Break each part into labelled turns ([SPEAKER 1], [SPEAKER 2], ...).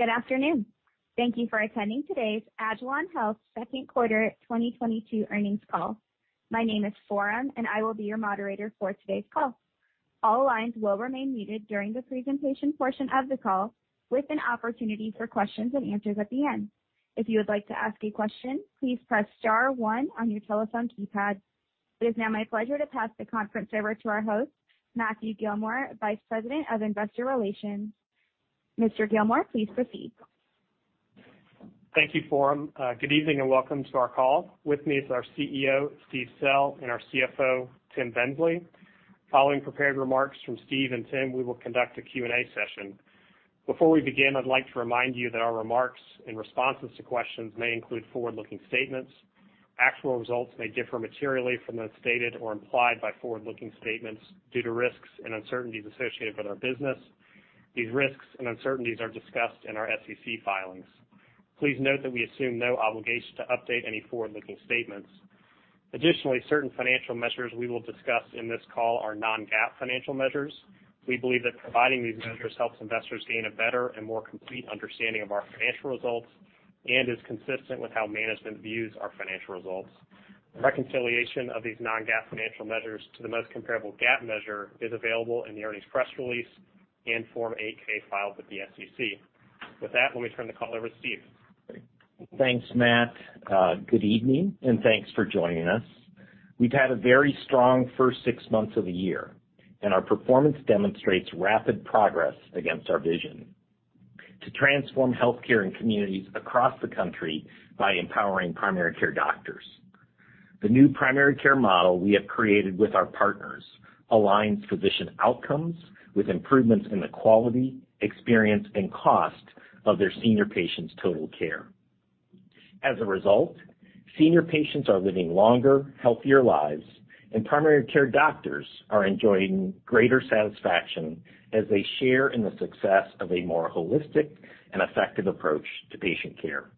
[SPEAKER 1] Good afternoon. Thank you for attending today's agilon health second quarter 2022 earnings call. My name is Forum, and I will be your moderator for today's call. All lines will remain muted during the presentation portion of the call with an opportunity for questions and answers at the end. If you would like to ask a question, please press star one on your telephone keypad. It is now my pleasure to pass the conference over to our host, Matthew Gillmor, Vice President of Investor Relations. Mr. Gillmor, please proceed.
[SPEAKER 2] Thank you, Forum. Good evening and welcome to our call. With me is our CEO, Steve Sell, and our CFO, Tim Bensley. Following prepared remarks from Steve and Tim, we will conduct a Q&A session. Before we begin, I'd like to remind you that our remarks and responses to questions may include forward-looking statements. Actual results may differ materially from those stated or implied by forward-looking statements due to risks and uncertainties associated with our business. These risks and uncertainties are discussed in our SEC filings. Please note that we assume no obligation to update any forward-looking statements. Additionally, certain financial measures we will discuss in this call are non-GAAP financial measures. We believe that providing these measures helps investors gain a better and more complete understanding of our financial results and is consistent with how management views our financial results. Reconciliation of these non-GAAP financial measures to the most comparable GAAP measure is available in the earnings press release and Form 8-K filed with the SEC. With that, let me turn the call over to Steve.
[SPEAKER 3] Thanks, Matt. Good evening, and thanks for joining us. We've had a very strong first six months of the year, and our performance demonstrates rapid progress against our vision to transform healthcare and communities across the country by empowering primary care doctors. The new primary care model we have created with our partners aligns physician outcomes with improvements in the quality, experience, and cost of their senior patients' total care. As a result, senior patients are living longer, healthier lives, and primary care doctors are enjoying greater satisfaction as they share in the success of a more holistic and effective approach to patient care.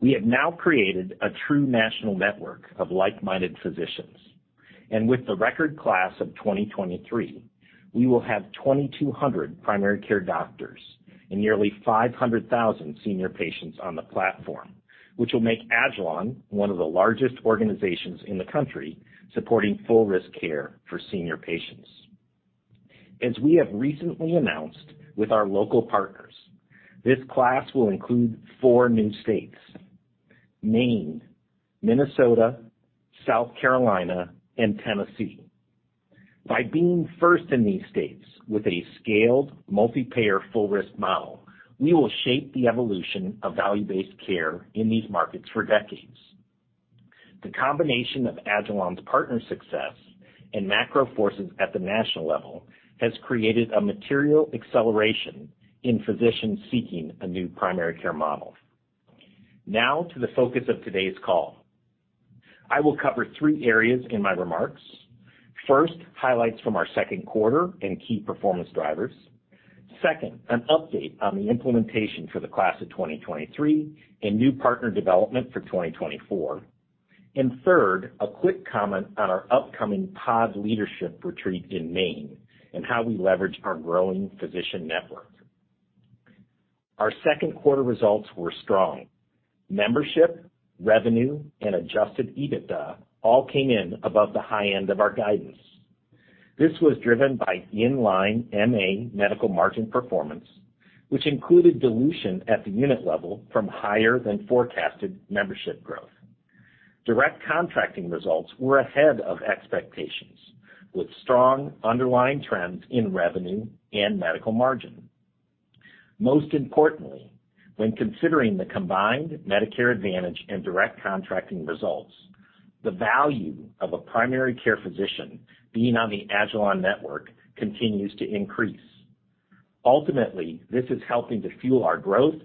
[SPEAKER 3] We have now created a true national network of like-minded physicians, and with the record class of 2023, we will have 2,200 primary care doctors and nearly 500,000 senior patients on the platform, which will make agilon one of the largest organizations in the country supporting full risk care for senior patients. As we have recently announced with our local partners, this class will include four new states, Maine, Minnesota, South Carolina, and Tennessee. By being first in these states with a scaled multi-payer full risk model, we will shape the evolution of value-based care in these markets for decades. The combination of agilon's partner success and macro forces at the national level has created a material acceleration in physicians seeking a new primary care model. Now to the focus of today's call. I will cover three areas in my remarks. First, highlights from our second quarter and key performance drivers. Second, an update on the implementation for the class of 2023 and new partner development for 2024. Third, a quick comment on our upcoming Pod Leadership Retreat in Maine and how we leverage our growing physician network. Our second quarter results were strong. Membership, revenue, and adjusted EBITDA all came in above the high end of our guidance. This was driven by inline MA medical margin performance, which included dilution at the unit level from higher than forecasted membership growth. Direct Contracting results were ahead of expectations, with strong underlying trends in revenue and medical margin. Most importantly, when considering the combined Medicare Advantage and Direct Contracting results, the value of a primary care physician being on the agilon network continues to increase. Ultimately, this is helping to fuel our growth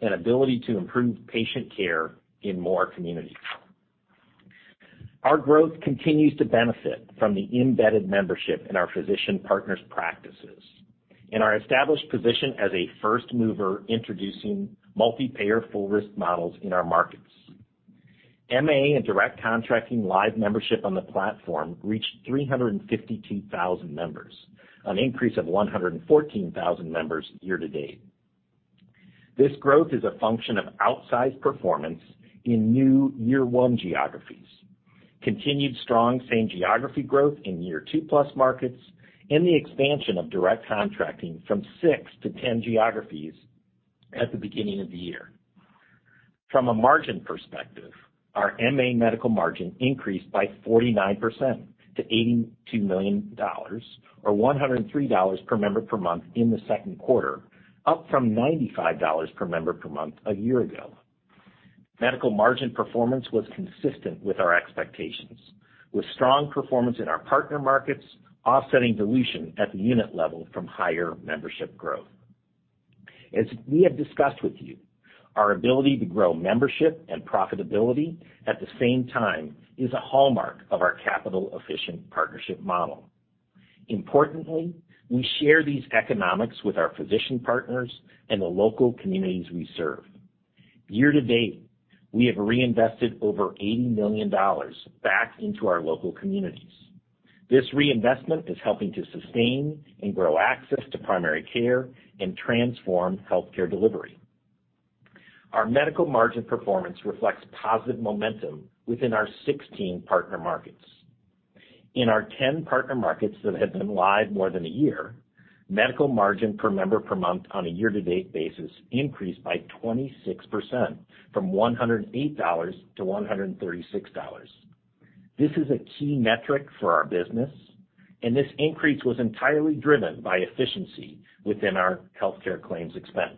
[SPEAKER 3] and ability to improve patient care in more communities. Our growth continues to benefit from the embedded membership in our physician partners' practices and our established position as a first mover introducing multi-payer full risk models in our markets. MA and Direct Contracting live membership on the platform reached 352,000 members, an increase of 114,000 members year to date. This growth is a function of outsized performance in new year one geographies, continued strong same geography growth in year two-plus markets, and the expansion of Direct Contracting from six to 10 geographies at the beginning of the year. From a margin perspective, our MA medical margin increased by 49% to $82 million or $103 per member per month in the second quarter, up from $95 per member per month a year ago. Medical margin performance was consistent with our expectations, with strong performance in our partner markets offsetting dilution at the unit level from higher membership growth. As we have discussed with you, our ability to grow membership and profitability at the same time is a hallmark of our capital-efficient partnership model. Importantly, we share these economics with our physician partners and the local communities we serve. Year-to-date, we have reinvested over $80 million back into our local communities. This reinvestment is helping to sustain and grow access to primary care and transform healthcare delivery. Our medical margin performance reflects positive momentum within our 16 partner markets. In our 10 partner markets that have been live more than a year, medical margin per member per month on a year-to-date basis increased by 26% from $108 to $136. This is a key metric for our business, and this increase was entirely driven by efficiency within our healthcare claims expense.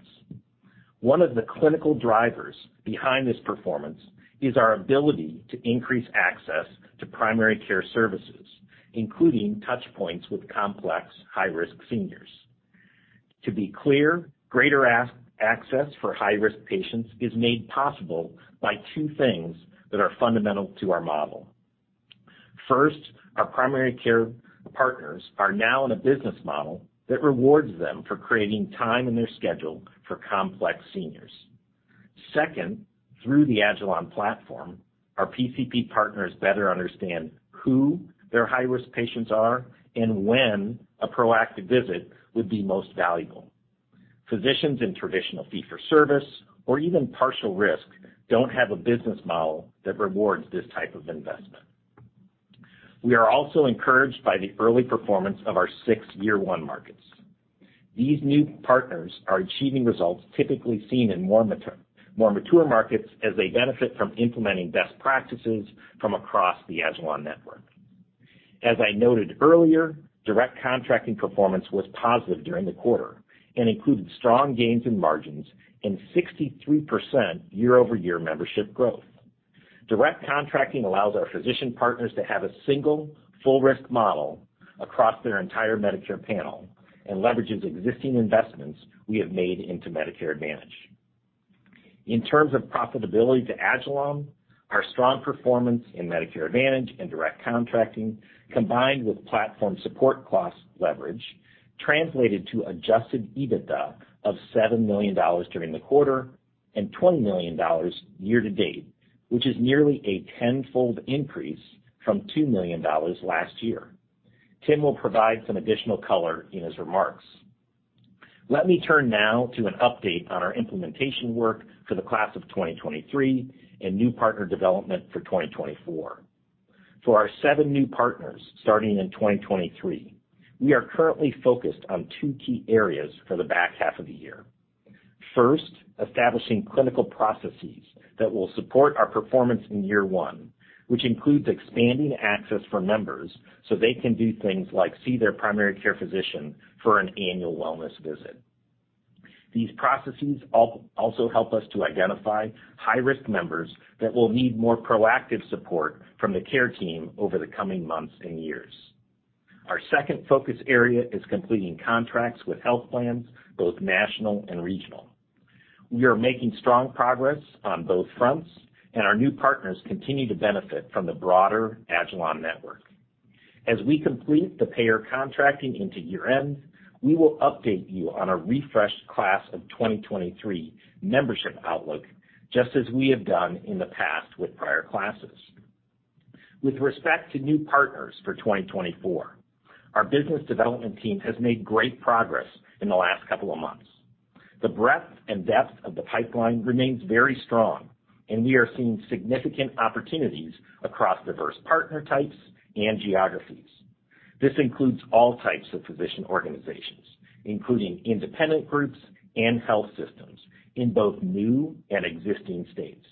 [SPEAKER 3] One of the clinical drivers behind this performance is our ability to increase access to primary care services, including touch points with complex high-risk seniors. To be clear, greater access for high-risk patients is made possible by two things that are fundamental to our model. First, our primary care partners are now in a business model that rewards them for creating time in their schedule for complex seniors. Second, through the agilon platform, our PCP partners better understand who their high-risk patients are and when a proactive visit would be most valuable. Physicians in traditional fee for service or even partial risk don't have a business model that rewards this type of investment. We are also encouraged by the early performance of our six year one markets. These new partners are achieving results typically seen in more mature markets as they benefit from implementing best practices from across the agilon network. As I noted earlier, Direct Contracting performance was positive during the quarter and included strong gains in margins and 63% year-over-year membership growth. Direct Contracting allows our physician partners to have a single full risk model across their entire Medicare panel and leverages existing investments we have made into Medicare Advantage. In terms of profitability to agilon, our strong performance in Medicare Advantage and Direct Contracting, combined with platform support cost leverage, translated to adjusted EBITDA of $7 million during the quarter and $20 million year to date, which is nearly a tenfold increase from $2 million last year. Tim will provide some additional color in his remarks. Let me turn now to an update on our implementation work for the class of 2023 and new partner development for 2024. For our seven new partners starting in 2023, we are currently focused on two key areas for the back half of the year. First, establishing clinical processes that will support our performance in year one, which includes expanding access for members so they can do things like see their primary care physician for an annual wellness visit. These processes also help us to identify high-risk members that will need more proactive support from the care team over the coming months and years. Our second focus area is completing contracts with health plans, both national and regional. We are making strong progress on both fronts, and our new partners continue to benefit from the broader agilon network. As we complete the payer contracting into year-end, we will update you on a refreshed class of 2023 membership outlook, just as we have done in the past with prior classes. With respect to new partners for 2024, our business development team has made great progress in the last couple of months. The breadth and depth of the pipeline remains very strong, and we are seeing significant opportunities across diverse partner types and geographies. This includes all types of physician organizations, including independent groups and health systems in both new and existing states.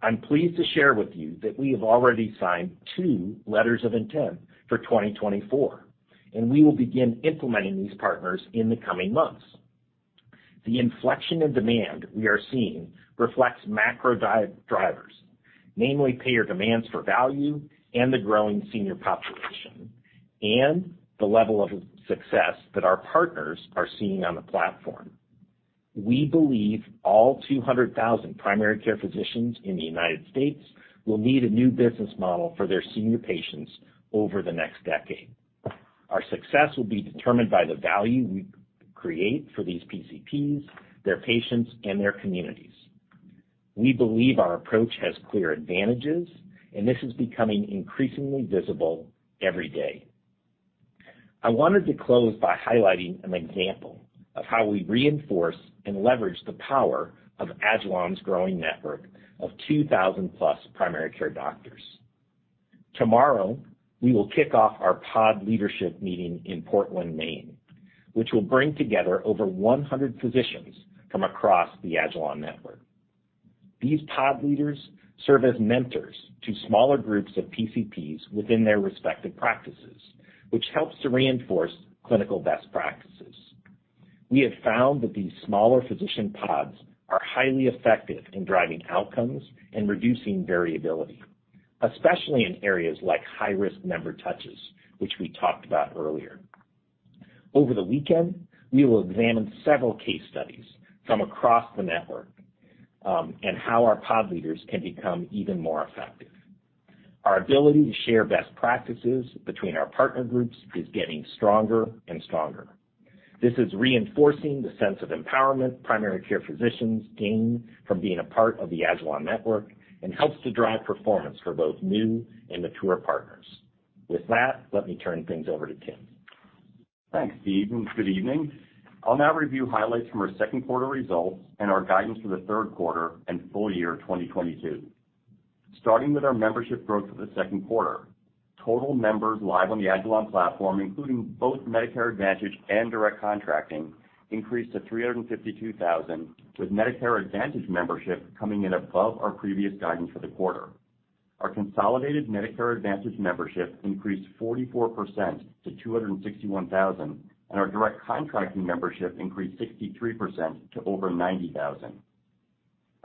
[SPEAKER 3] I'm pleased to share with you that we have already signed two letters of intent for 2024, and we will begin implementing these partners in the coming months. The inflection in demand we are seeing reflects macro drivers, namely payer demands for value and the growing senior population, and the level of success that our partners are seeing on the platform. We believe all 200,000 primary care physicians in the United States will need a new business model for their senior patients over the next decade. Our success will be determined by the value we create for these PCPs, their patients, and their communities. We believe our approach has clear advantages, and this is becoming increasingly visible every day. I wanted to close by highlighting an example of how we reinforce and leverage the power of agilon's growing network of 2,000+ primary care doctors. Tomorrow, we will kick off our pod leadership meeting in Portland, Maine, which will bring together over 100 physicians from across the agilon network. These pod leaders serve as mentors to smaller groups of PCPs within their respective practices, which helps to reinforce clinical best practices. We have found that these smaller physician pods are highly effective in driving outcomes and reducing variability, especially in areas like high-risk member touches, which we talked about earlier. Over the weekend, we will examine several case studies from across the network, and how our pod leaders can become even more effective. Our ability to share best practices between our partner groups is getting stronger and stronger. This is reinforcing the sense of empowerment primary care physicians gain from being a part of the agilon network and helps to drive performance for both new and mature partners. With that, let me turn things over to Tim.
[SPEAKER 4] Thanks, Steve, and good evening. I'll now review highlights from our second quarter results and our guidance for the third quarter and full year 2022. Starting with our membership growth for the second quarter, total members live on the agilon platform, including both Medicare Advantage and Direct Contracting, increased to 352,000, with Medicare Advantage membership coming in above our previous guidance for the quarter. Our consolidated Medicare Advantage membership increased 44% to 261,000, and our Direct Contracting membership increased 63% to over 90,000.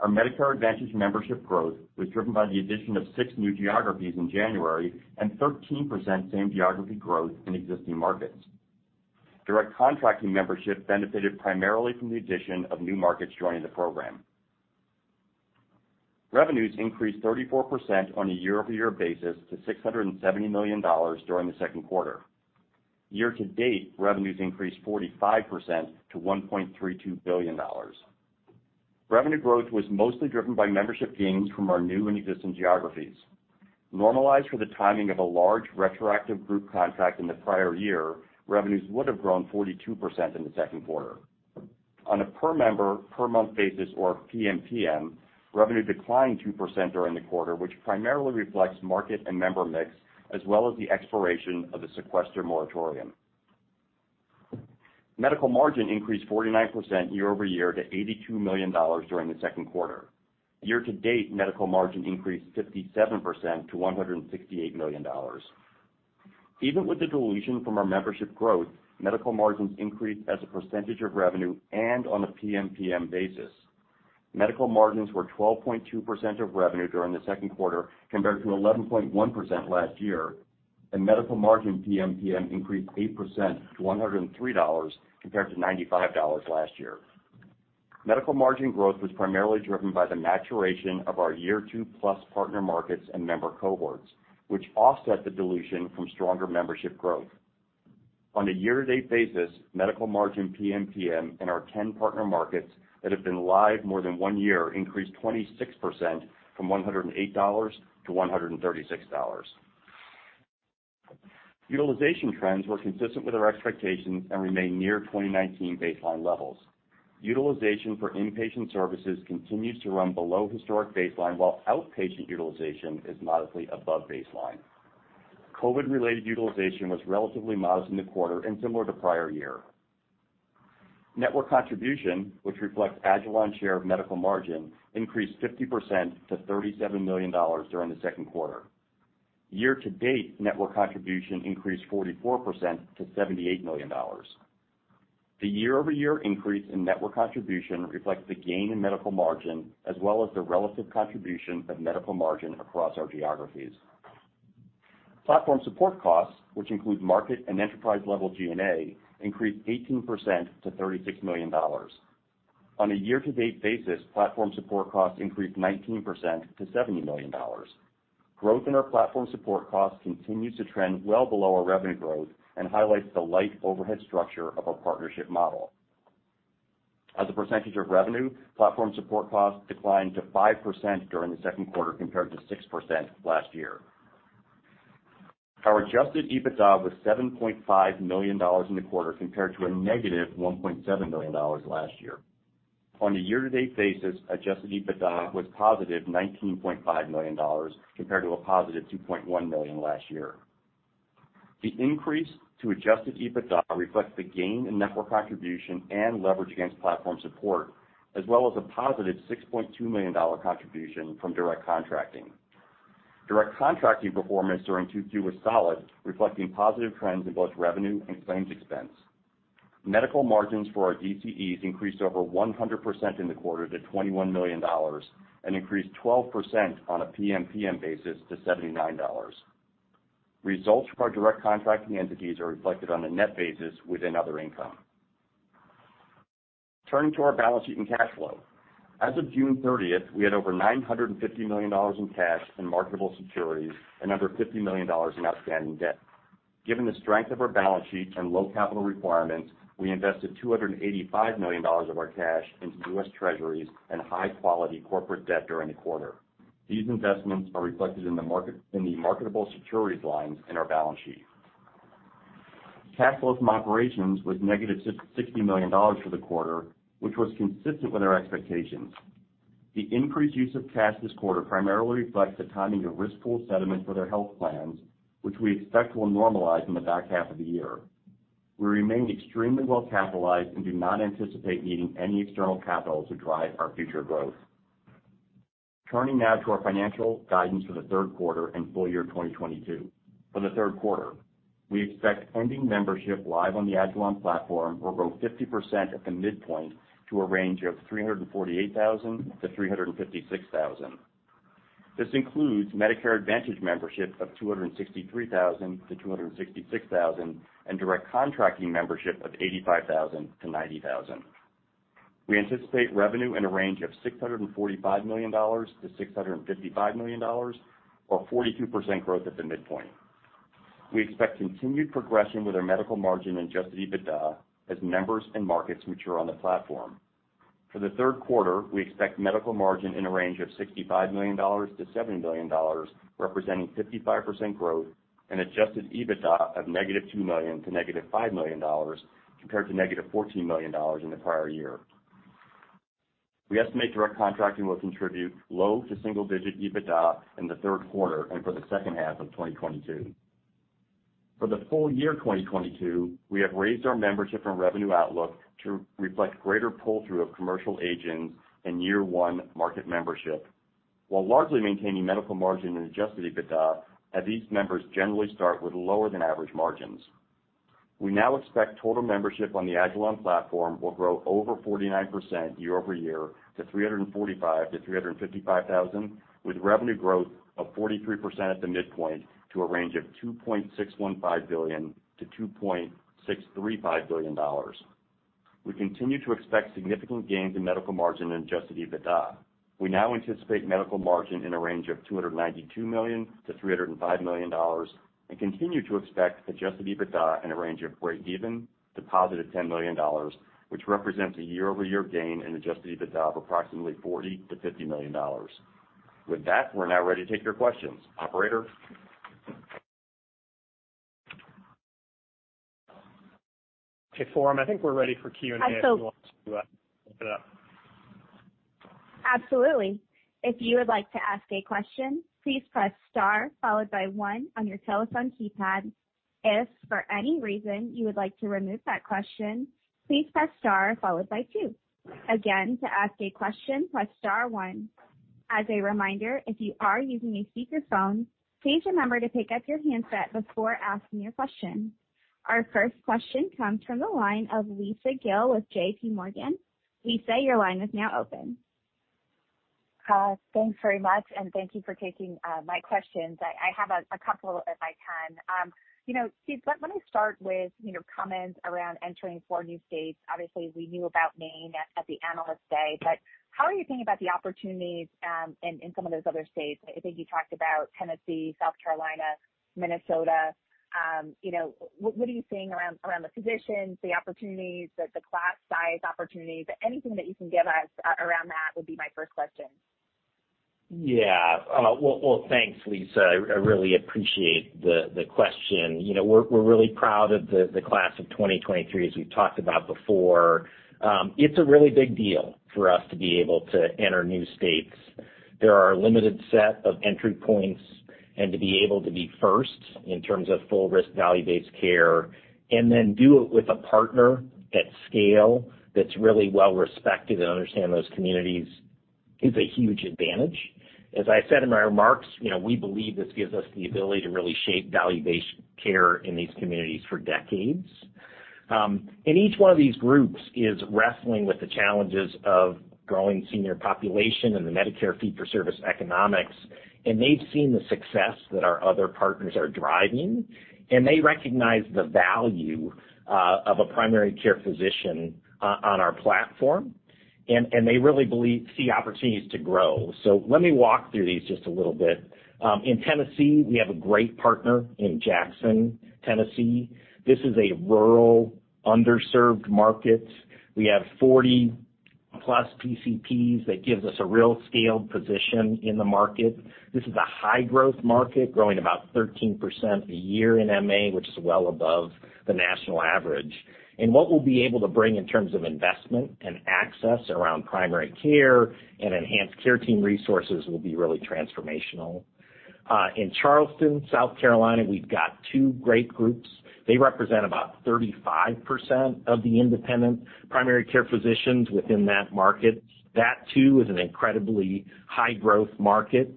[SPEAKER 4] Our Medicare Advantage membership growth was driven by the addition of six new geographies in January and 13% same geography growth in existing markets. Direct Contracting membership benefited primarily from the addition of new markets joining the program. Revenues increased 34% on a year-over-year basis to $670 million during the second quarter. Year-to-date, revenues increased 45% to $1.32 billion. Revenue growth was mostly driven by membership gains from our new and existing geographies. Normalized for the timing of a large retroactive group contract in the prior year, revenues would have grown 42% in the second quarter. On a per member per month basis, or PMPM, revenue declined 2% during the quarter, which primarily reflects market and member mix, as well as the expiration of the sequester moratorium. Medical margin increased 49% year-over-year to $82 million during the second quarter. Year-to-date, medical margin increased 57% to $168 million. Even with the dilution from our membership growth, medical margins increased as a percentage of revenue and on a PMPM basis. Medical margins were 12.2% of revenue during the second quarter compared to 11.1% last year, and medical margin PMPM increased 8% to $103 compared to $95 last year. Medical margin growth was primarily driven by the maturation of our year two-plus partner markets and member cohorts, which offset the dilution from stronger membership growth. On a year-to-date basis, medical margin PMPM in our 10 partner markets that have been live more than one year increased 26% from $108 to $136. Utilization trends were consistent with our expectations and remain near 2019 baseline levels. Utilization for inpatient services continues to run below historic baseline, while outpatient utilization is modestly above baseline. COVID-related utilization was relatively modest in the quarter and similar to prior year. Network contribution, which reflects agilon's share of medical margin, increased 50% to $37 million during the second quarter. Year-to-date, network contribution increased 44% to $78 million. The year-over-year increase in network contribution reflects the gain in medical margin as well as the relative contribution of medical margin across our geographies. Platform support costs, which include market and enterprise-level G&A, increased 18% to $36 million. On a year-to-date basis, platform support costs increased 19% to $70 million. Growth in our platform support costs continues to trend well below our revenue growth and highlights the light overhead structure of our partnership model. As a percentage of revenue, platform support costs declined to 5% during the second quarter compared to 6% last year. Our adjusted EBITDA was $7.5 million in the quarter compared to -$1.7 million last year. On a year-to-date basis, adjusted EBITDA was +$19.5 million compared to +$2.1 million last year. The increase to adjusted EBITDA reflects the gain in network contribution and leverage against platform support, as well as a +$6.2 million dollar contribution from Direct Contracting. Direct Contracting performance during Q2 was solid, reflecting positive trends in both revenue and claims expense. Medical margins for our DCEs increased over 100% in the quarter to $21 million and increased 12% on a PMPM basis to $79. Results from our Direct Contracting Entities are reflected on a net basis within other income. Turning to our balance sheet and cash flow. As of June 30th, we had over $950 million in cash and marketable securities and under $50 million in outstanding debt. Given the strength of our balance sheet and low capital requirements, we invested $285 million of our cash into U.S. Treasuries and high-quality corporate debt during the quarter. These investments are reflected in the marketable securities lines in our balance sheet. Cash flow from operations was -$60 million for the quarter, which was consistent with our expectations. The increased use of cash this quarter primarily reflects the timing of risk pool settlement for their health plans, which we expect will normalize in the back half of the year. We remain extremely well-capitalized and do not anticipate needing any external capital to drive our future growth. Turning now to our financial guidance for the third quarter and full year 2022. For the third quarter, we expect ending membership live on the agilon platform will grow 50% at the midpoint to a range of 348,000-356,000. This includes Medicare Advantage membership of 263,000-266,000 and Direct Contracting membership of 85,000-90,000. We anticipate revenue in a range of $645 million-$655 million, or 42% growth at the midpoint. We expect continued progression with our medical margin and adjusted EBITDA as members and markets mature on the platform. For the third quarter, we expect medical margin in a range of $65 million-$70 million, representing 55% growth and adjusted EBITDA of -$2 million to -$5 million compared to -$14 million in the prior year. We estimate Direct Contracting will contribute low to single digit EBITDA in the third quarter and for the second half of 2022. For the full year 2022, we have raised our membership and revenue outlook to reflect greater pull-through of commercial agents and year one market membership, while largely maintaining medical margin and adjusted EBITDA, as these members generally start with lower than average margins. We now expect total membership on the agilon platform will grow over 49% year-over-year to 345,000-355,000, with revenue growth of 43% at the midpoint to a range of $2.615 billion-$2.635 billion. We continue to expect significant gains in medical margin and adjusted EBITDA. We now anticipate medical margin in a range of $292 million-$305 million and continue to expect adjusted EBITDA in a range of breakeven to +$10 million, which represents a year-over-year gain in adjusted EBITDA of approximately $40 million-$50 million. With that, we're now ready to take your questions. Operator?
[SPEAKER 2] Okay, Forum, I think we're ready for Q&A if you want to open it up.
[SPEAKER 1] Absolutely. If you would like to ask a question, please press star followed by one on your telephone keypad. If for any reason you would like to remove that question, please press star followed by two. Again, to ask a question, press star one. As a reminder, if you are using a speakerphone, please remember to pick up your handset before asking your question. Our first question comes from the line of Lisa Gill with JPMorgan. Lisa, your line is now open.
[SPEAKER 5] Thanks very much, and thank you for taking my questions. I have a couple, if I can. You know, Steve, let me start with comments around entering four new states. Obviously, we knew about Maine at the Analyst Day, but how are you thinking about the opportunities in some of those other states? I think you talked about Tennessee, South Carolina, Minnesota. You know, what are you seeing around the physicians, the opportunities, the class size opportunities? Anything that you can give us around that would be my first question.
[SPEAKER 3] Yeah. Well, thanks, Lisa. I really appreciate the question. You know, we're really proud of the class of 2023, as we've talked about before. It's a really big deal for us to be able to enter new states. There are a limited set of entry points, and to be able to be first in terms of full risk value-based care, and then do it with a partner at scale that's really well respected and understand those communities is a huge advantage. As I said in my remarks, you know, we believe this gives us the ability to really shape value-based care in these communities for decades. Each one of these groups is wrestling with the challenges of growing senior population and the Medicare fee for service economics, and they've seen the success that our other partners are driving, and they recognize the value of a primary care physician on our platform. They really see opportunities to grow. Let me walk through these just a little bit. In Tennessee, we have a great partner in Jackson, Tennessee. This is a rural, underserved market. We have 40+ PCPs that gives us a real scaled position in the market. This is a high growth market, growing about 13% a year in MA, which is well above the national average. What we'll be able to bring in terms of investment and access around primary care and enhanced care team resources will be really transformational. In Charleston, South Carolina, we've got two great groups. They represent about 35% of the independent primary care physicians within that market. That, too, is an incredibly high growth market.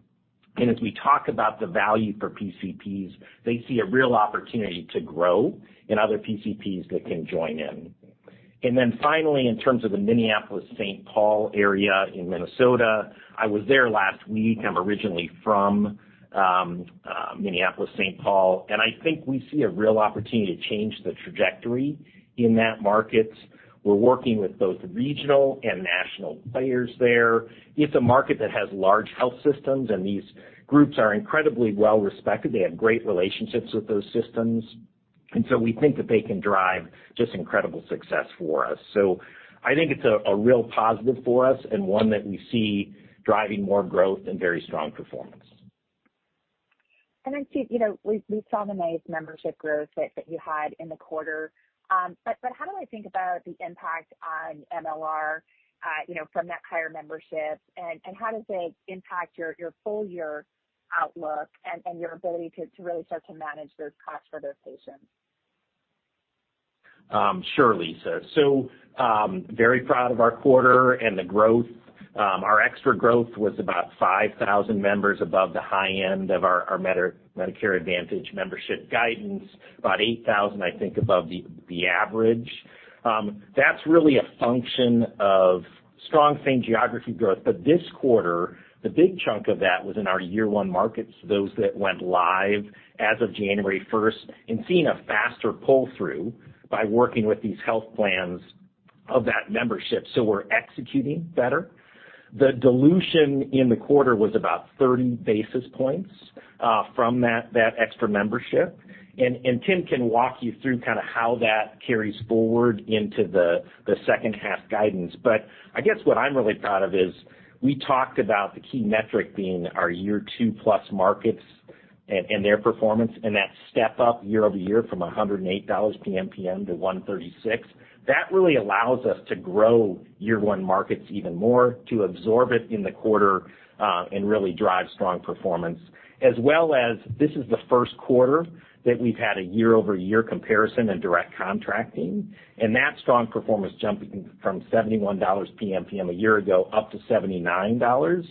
[SPEAKER 3] As we talk about the value for PCPs, they see a real opportunity to grow in other PCPs that can join in. Finally, in terms of the Minneapolis-Saint Paul area in Minnesota, I was there last week. I'm originally from Minneapolis-Saint Paul, and I think we see a real opportunity to change the trajectory in that market. We're working with both regional and national players there. It's a market that has large health systems, and these groups are incredibly well-respected. They have great relationships with those systems. We think that they can drive just incredible success for us. I think it's a real positive for us and one that we see driving more growth and very strong performance.
[SPEAKER 5] Steve, you know, we saw the nice membership growth that you had in the quarter. But how do I think about the impact on MLR, you know, from that higher membership? How does it impact your full year outlook and your ability to really start to manage those costs for those patients?
[SPEAKER 3] Sure, Lisa. Very proud of our quarter and the growth. Our extra growth was about 5,000 members above the high end of our Medicare Advantage membership guidance, about 8,000, I think, above the average. That's really a function of strong same-geography growth. This quarter, the big chunk of that was in our year-one markets, those that went live as of January 1st, and seeing a faster pull-through by working with these health plans of that membership. We're executing better. The dilution in the quarter was about 30 basis points from that extra membership. Tim can walk you through kind of how that carries forward into the second half guidance. I guess what I'm really proud of is we talked about the key metric being our year two-plus markets and their performance, and that step up year-over-year from $108 PMPM to $136. That really allows us to grow year one markets even more, to absorb it in the quarter, and really drive strong performance. As well as this is the first quarter that we've had a year-over-year comparison in Direct Contracting, and that strong performance jumping from $71 PMPM a year ago up to $79,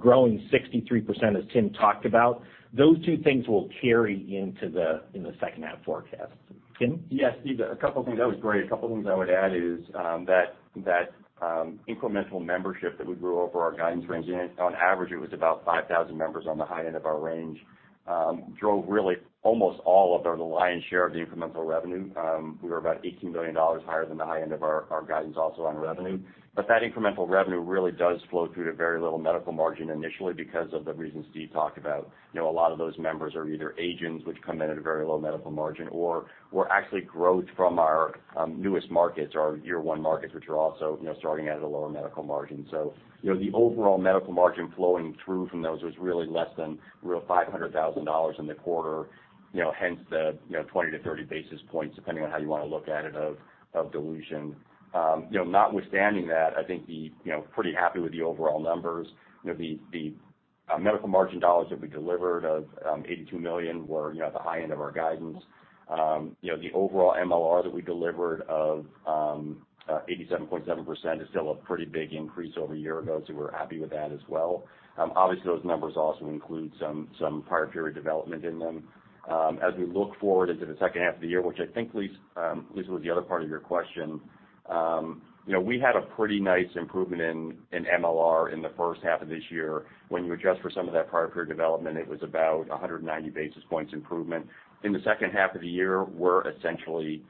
[SPEAKER 3] growing 63% as Tim talked about. Those two things will carry into the second half forecast. Tim?
[SPEAKER 4] Yes, Steve, a couple of things. That was great. A couple of things I would add is that incremental membership that we grew over our guidance range in, on average, it was about 5,000 members on the high end of our range, drove really almost all of or the lion's share of the incremental revenue. We were about $18 million higher than the high end of our guidance also on revenue. That incremental revenue really does flow through to very little medical margin initially because of the reasons Steve talked about. You know, a lot of those members are either agents, which come in at a very low medical margin or actually growth from our newest markets, our year one markets, which are also, you know, starting at a lower medical margin. You know, the overall medical margin flowing through from those was really less than $500,000 in the quarter, you know, hence the 20-30 basis points, depending on how you want to look at it, of dilution. you know, notwithstanding that, I think you know, pretty happy with the overall numbers. You know, the medical margin dollars that we delivered of $82 million were you know, at the high end of our guidance. you know, the overall MLR that we delivered of 87.7% is still a pretty big increase over a year ago, so we're happy with that as well. Obviously, those numbers also include some prior period development in them. As we look forward into the second half of the year, which I think, Lisa, was the other part of your question, you know, we had a pretty nice improvement in MLR in the first half of this year. When you adjust for some of that prior period development, it was about 190 basis points improvement. In the second half of the year, we're essentially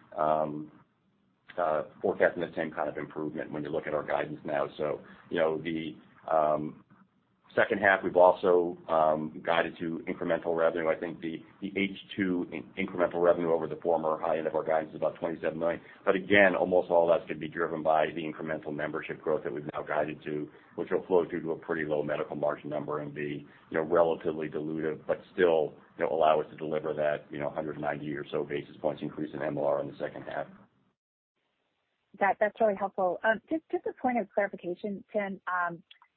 [SPEAKER 4] forecasting the same kind of improvement when you look at our guidance now. You know, the second half, we've also guided to incremental revenue. I think the H2 incremental revenue over the former high end of our guidance is about $27 million. Again, almost all that's going to be driven by the incremental membership growth that we've now guided to, which will flow through to a pretty low medical margin number and be, you know, relatively dilutive, but still, it'll allow us to deliver that, you know, 190 or so basis points increase in MLR in the second half.
[SPEAKER 5] That's really helpful. Just a point of clarification, Tim.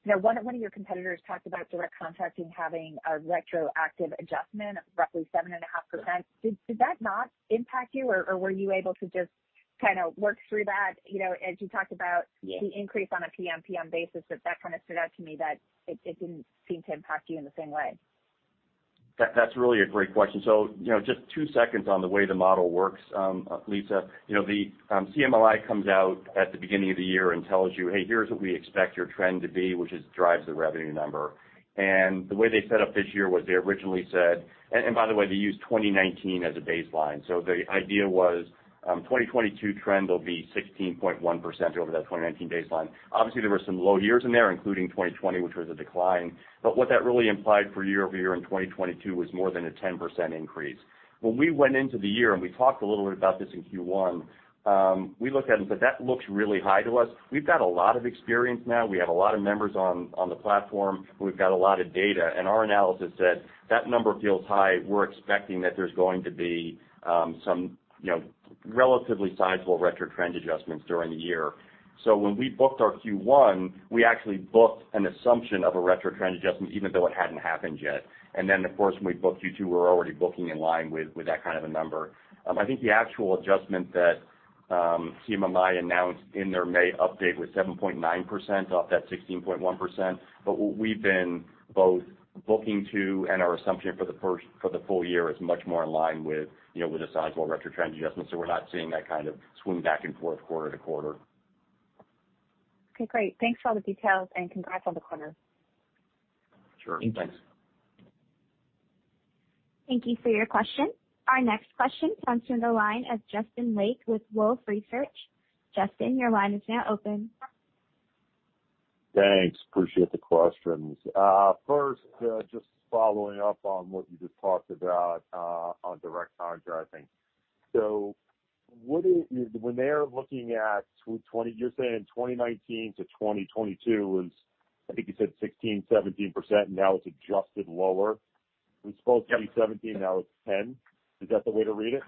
[SPEAKER 5] You know, one of your competitors talked about Direct Contracting having a retroactive adjustment of roughly 7.5%. Did that not impact you, or were you able to just kind of work through that? You know, as you talked about the increase on a PMPM basis, but that kind of stood out to me that it didn't seem to impact you in the same way.
[SPEAKER 4] That's really a great question. You know, just two seconds on the way the model works, Lisa. You know, the CMLI comes out at the beginning of the year and tells you, "Hey, here's what we expect your trend to be," which drives the revenue number. The way they set up this year was they originally said. By the way, they used 2019 as a baseline. The idea was, 2022 trend will be 16.1% over that 2019 baseline. Obviously, there were some low years in there, including 2020, which was a decline. What that really implied for year-over-year in 2022 was more than a 10% increase. When we went into the year, and we talked a little bit about this in Q1, we looked at it and said, "That looks really high to us." We've got a lot of experience now. We have a lot of members on the platform. We've got a lot of data, and our analysis said, "That number feels high. We're expecting that there's going to be some, you know, relatively sizable retro trend adjustments during the year." When we booked our Q1, we actually booked an assumption of a retro trend adjustment even though it hadn't happened yet. Then, of course, when we booked Q2, we're already booking in line with that kind of a number. I think the actual adjustment that CMMI announced in their May update was 7.9% off that 16.1%. What we've been both booking to and our assumption for the full year is much more in line with, you know, with a sizable retro trend adjustment. We're not seeing that kind of swing back and forth quarter to quarter.
[SPEAKER 5] Okay, great. Thanks for all the details, and congrats on the quarter.
[SPEAKER 4] Sure. Thanks.
[SPEAKER 1] Thank you for your question. Our next question comes from the line of Justin Lake with Wolfe Research. Justin, your line is now open.
[SPEAKER 6] Thanks. Appreciate the questions. First, just following up on what you just talked about, on Direct Contracting. What is, when they're looking at 2019 to 2022? You're saying 2019 to 2022 was, I think you said 16%, 17%, now it's adjusted lower. It was supposed to be 17%, now it's 10%. Is that the way to read it?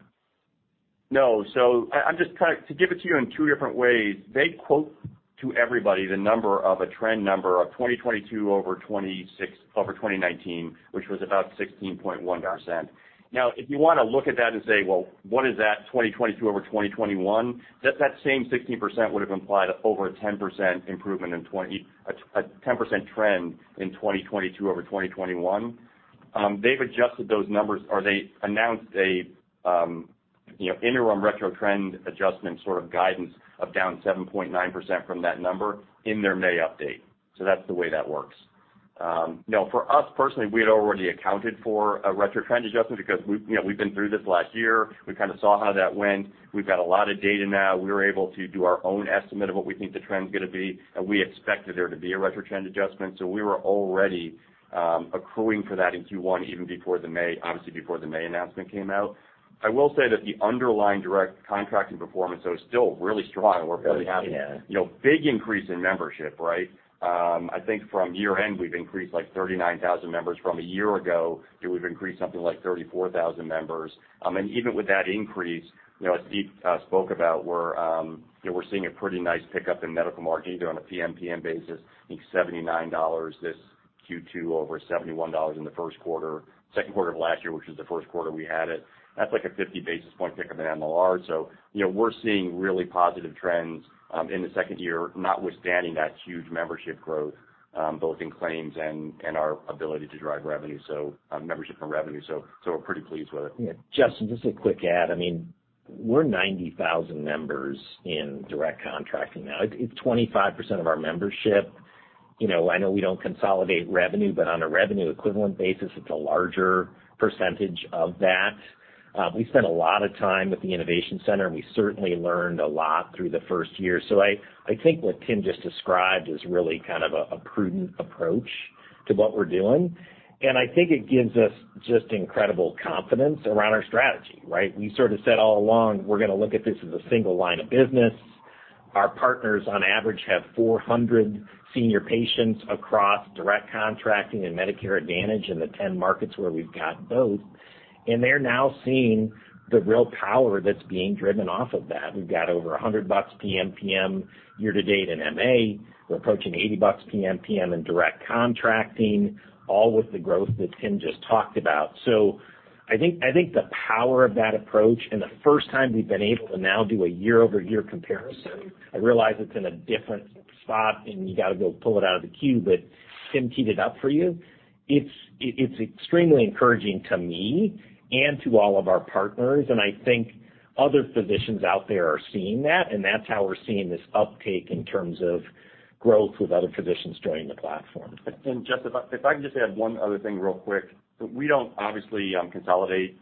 [SPEAKER 4] No. I am just trying to give it to you in two different ways. They quote to everybody the trend number of 2022 over 2019, which was about 16.1%. Now, if you wanna look at that and say, "Well, what is that 2022 over 2021?" That same 16% would have implied over a 10% improvement in a 10% trend in 2022 over 2021. They've adjusted those numbers, or they announced a, you know, interim retro trend adjustment sort of guidance of down 7.9% from that number in their May update. That's the way that works. You know, for us personally, we had already accounted for a retro trend adjustment because we've, you know, we've been through this last year. We kinda saw how that went. We've got a lot of data now. We were able to do our own estimate of what we think the trend's gonna be, and we expected there to be a retro trend adjustment. We were already accruing for that in Q1 even before the May announcement came out. I will say that the underlying Direct Contracting performance, though, is still really strong, and we're very happy.
[SPEAKER 3] Yeah.
[SPEAKER 4] You know, big increase in membership, right? I think from year-end, we've increased, like, 39,000 members. From a year ago, we've increased something like 34,000 members. And even with that increase, you know, as Steve spoke about, we're seeing a pretty nice pickup in medical margin, either on a PMPM basis. I think $79 this Q2 over $71 in the first quarter, second quarter of last year, which was the first quarter we had it. That's like a 50 basis point pickup in the MLR. You know, we're seeing really positive trends in the second year, notwithstanding that huge membership growth, both in claims and our ability to drive revenue. Membership and revenue, so we're pretty pleased with it.
[SPEAKER 3] Yeah. Justin, just a quick add. I mean, we're 90,000 members in Direct Contracting now. It's 25% of our membership. You know, I know we don't consolidate revenue, but on a revenue equivalent basis, it's a larger percentage of that. We spent a lot of time with the innovation center, and we certainly learned a lot through the first year. I think what Tim just described is really kind of a prudent approach to what we're doing. I think it gives us just incredible confidence around our strategy, right? We sort of said all along, we're gonna look at this as a single line of business. Our partners, on average, have 400 senior patients across Direct Contracting and Medicare Advantage in the 10 markets where we've got both. They're now seeing the real power that's being driven off of that. We've got over $100 PMPM year to date in MA. We're approaching $80 PMPM in Direct Contracting, all with the growth that Tim just talked about. I think the power of that approach and the first time we've been able to now do a year-over-year comparison, I realize it's in a different spot, and you gotta go pull it out of the 10-Q, but Tim teed it up for you. It's extremely encouraging to me and to all of our partners, and I think other physicians out there are seeing that, and that's how we're seeing this uptake in terms of growth with other physicians joining the platform.
[SPEAKER 4] Justin, if I can just add one other thing real quick. We don't obviously consolidate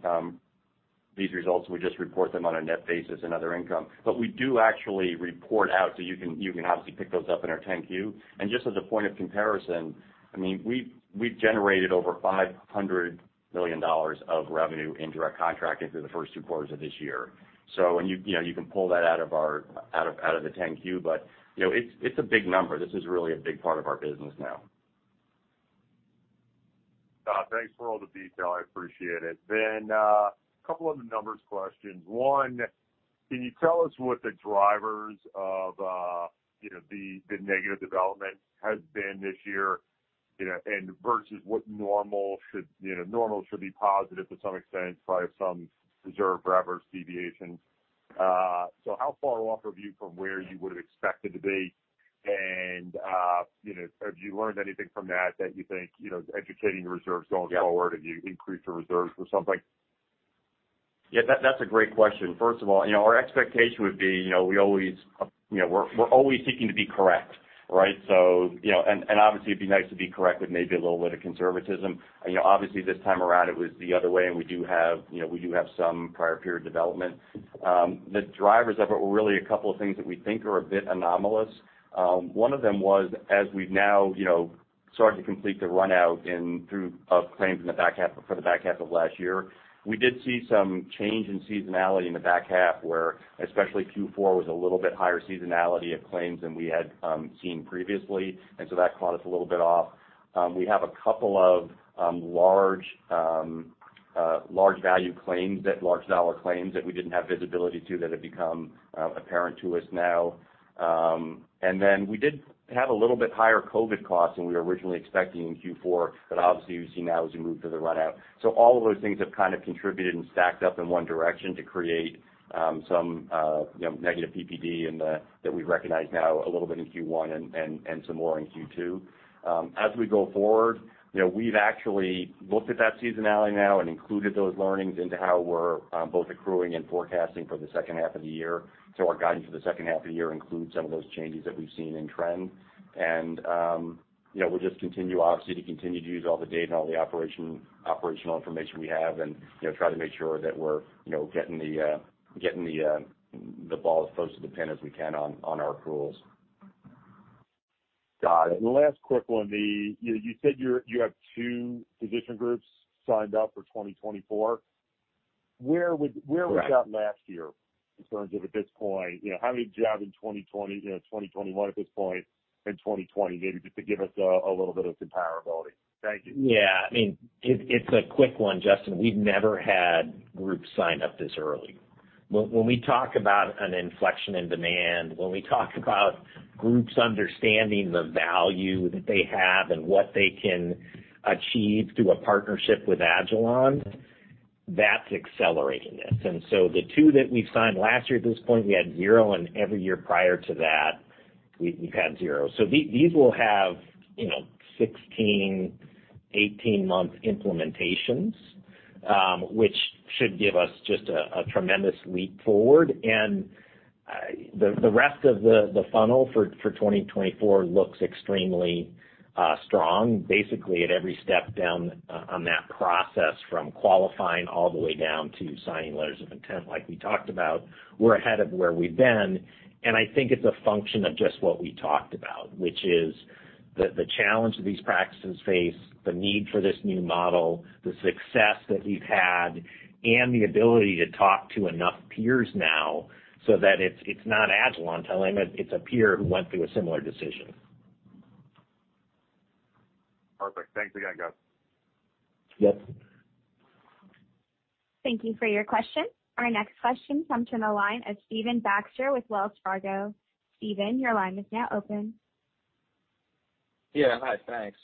[SPEAKER 4] these results. We just report them on a net basis and other income. We do actually report out, so you can obviously pick those up in our 10-Q. Just as a point of comparison, I mean, we've generated over $500 million of revenue in Direct Contracting through the first two quarters of this year. When you you know, you can pull that out of the 10-Q, but you know, it's a big number. This is really a big part of our business now.
[SPEAKER 6] Thanks for all the detail. I appreciate it. Couple other numbers questions. One, can you tell us what the drivers of, you know, the negative development has been this year, you know, and versus what normal should be positive to some extent, probably have some reserve for average deviation. How far off are you from where you would have expected to be? You know, have you learned anything from that that you think, you know, educating the reserves going forward, have you increased the reserves or something?
[SPEAKER 4] Yeah. That's a great question. First of all, you know, our expectation would be, you know, we're always seeking to be correct, right? You know, obviously, it'd be nice to be correct with maybe a little bit of conservatism. You know, obviously, this time around, it was the other way, and we do have some prior period development. The drivers of it were really a couple of things that we think are a bit anomalous. One of them was as we've now, you know, started to complete the run-out and through of claims in the back half for the back half of last year, we did see some change in seasonality in the back half where especially Q4 was a little bit higher seasonality of claims than we had seen previously. That caught us a little bit off. We have a couple of large dollar claims that we didn't have visibility to that have become apparent to us now. And then we did have a little bit higher COVID costs than we were originally expecting in Q4, but obviously, you've seen that as we move through the run out. All of those things have kind of contributed and stacked up in one direction to create some you know negative PPD that we've recognized now a little bit in Q1 and some more in Q2. As we go forward, you know, we've actually looked at that seasonality now and included those learnings into how we're both accruing and forecasting for the second half of the year. Our guidance for the second half of the year includes some of those changes that we've seen in trend. You know, we'll just continue, obviously, to use all the data and all the operational information we have and, you know, try to make sure that we're, you know, getting the ball as close to the pin as we can on our accruals.
[SPEAKER 6] Got it. The last quick one. You said you have two physician groups signed up for 2024. Where would.
[SPEAKER 4] Correct.
[SPEAKER 6] Where was that last year in terms of at this point? You know, how many did you have in 2020, you know, 2021 at this point and 2020, maybe just to give us a little bit of comparability? Thank you.
[SPEAKER 3] Yeah. I mean, it's a quick one, Justin. We've never had groups sign up this early. When we talk about an inflection in demand, when we talk about groups understanding the value that they have and what they can achieve through a partnership with agilon, that's accelerating this. The two that we've signed last year at this point, we had zero, and every year prior to that. We, we've had zero. These will have, you know, 16, 18-month implementations, which should give us just a tremendous leap forward. The rest of the funnel for 2024 looks extremely strong, basically at every step down on that process from qualifying all the way down to signing letters of intent like we talked about. We're ahead of where we've been, and I think it's a function of just what we talked about, which is the challenge that these practices face, the need for this new model, the success that we've had, and the ability to talk to enough peers now so that it's not agilon telling them, it's a peer who went through a similar decision.
[SPEAKER 6] Perfect. Thanks again, guys.
[SPEAKER 3] Yes.
[SPEAKER 1] Thank you for your question. Our next question comes from the line of Stephen Baxter with Wells Fargo. Stephen, your line is now open.
[SPEAKER 7] Yeah. Hi, thanks.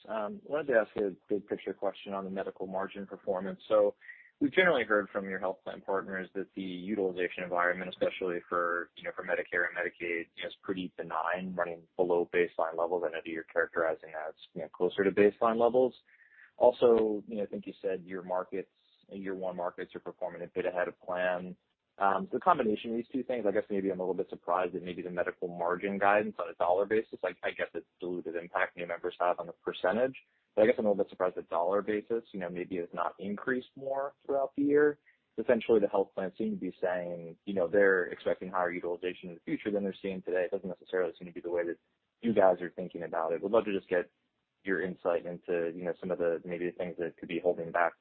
[SPEAKER 7] Wanted to ask a big picture question on the medical margin performance. We've generally heard from your health plan partners that the utilization environment, especially for, you know, for Medicare and Medicaid, you know, is pretty benign, running below baseline levels. I know you're characterizing as, you know, closer to baseline levels. Also, you know, I think you said your markets, your year one markets are performing a bit ahead of plan. The combination of these two things, I guess maybe I'm a little bit surprised that maybe the medical margin guidance on a dollar basis, like, I guess, it's diluted impact new members have on the percentage. I guess I'm a little bit surprised the dollar basis, you know, maybe has not increased more throughout the year. Essentially, the health plans seem to be saying, you know, they're expecting higher utilization in the future than they're seeing today. It doesn't necessarily seem to be the way that you guys are thinking about it. Would love to just get your insight into, you know, some of the, maybe the things that could be holding back,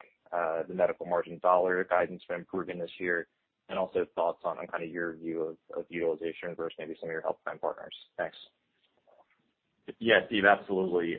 [SPEAKER 7] the medical margin dollar guidance from improving this year, and also thoughts on kind of your view of utilization versus maybe some of your health plan partners. Thanks.
[SPEAKER 4] Yeah, Steve, absolutely. You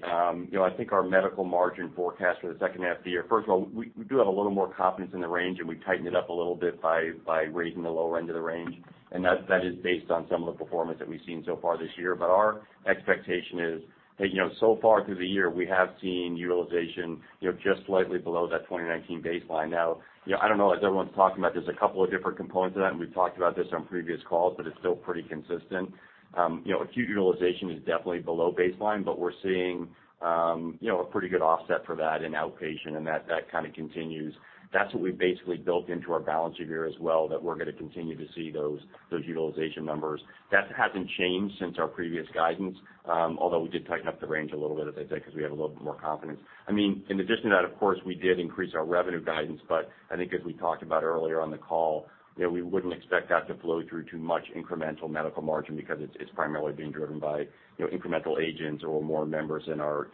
[SPEAKER 4] know, I think our medical margin forecast for the second half of the year, first of all, we do have a little more confidence in the range, and we tightened it up a little bit by raising the lower end of the range. That is based on some of the performance that we've seen so far this year. Our expectation is that, you know, so far through the year, we have seen utilization, you know, just slightly below that 2019 baseline. Now, you know, I don't know, as everyone's talking about, there's a couple of different components of that, and we've talked about this on previous calls, but it's still pretty consistent. You know, acute utilization is definitely below baseline, but we're seeing a pretty good offset for that in outpatient, and that kind of continues. That's what we've basically built into our balance of year as well, that we're gonna continue to see those utilization numbers. That hasn't changed since our previous guidance, although we did tighten up the range a little bit, as I said, because we have a little bit more confidence. I mean, in addition to that, of course, we did increase our revenue guidance. I think as we talked about earlier on the call, you know, we wouldn't expect that to flow through to much incremental medical margin because it's primarily being driven by, you know, incremental agents or more members in our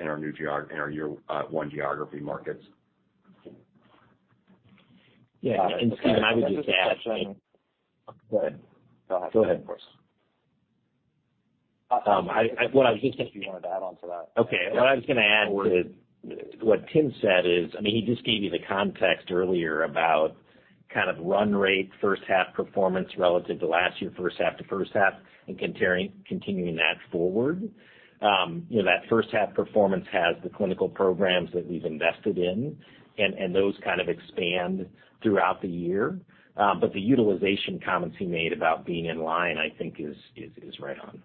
[SPEAKER 4] year one geography markets.
[SPEAKER 3] Yeah. Stephen, I would just add.
[SPEAKER 7] Go ahead. Go ahead, of course.
[SPEAKER 3] What I was just, If you wanted to add on to that. Okay. What I was gonna add to what Tim said is, I mean, he just gave you the context earlier about kind of run rate, first half performance relative to last year, first half to first half, and continuing that forward. You know, that first half performance has the clinical programs that we've invested in, and those kind of expand throughout the year. The utilization comments he made about being in line, I think is right on.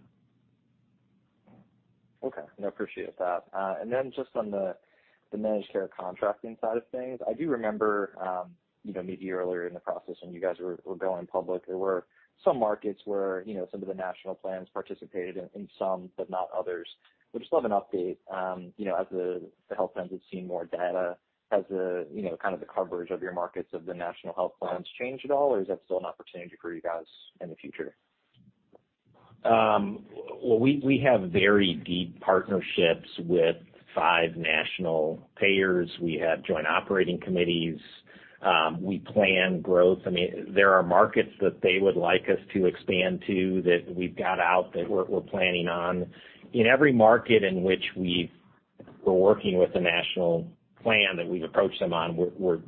[SPEAKER 7] Okay. No, appreciate that. Then just on the managed care contracting side of things. I do remember, you know, maybe earlier in the process when you guys were going public, there were some markets where, you know, some of the national plans participated in some but not others. I just love an update, you know, as the health plans have seen more data. Has the kind of the coverage of your markets of the national health plans changed at all, or is that still an opportunity for you guys in the future?
[SPEAKER 3] Well, we have very deep partnerships with five national payers. We have joint operating committees. We plan growth. I mean, there are markets that they would like us to expand to that we're planning on. In every market in which we're working with a national plan that we've approached them on,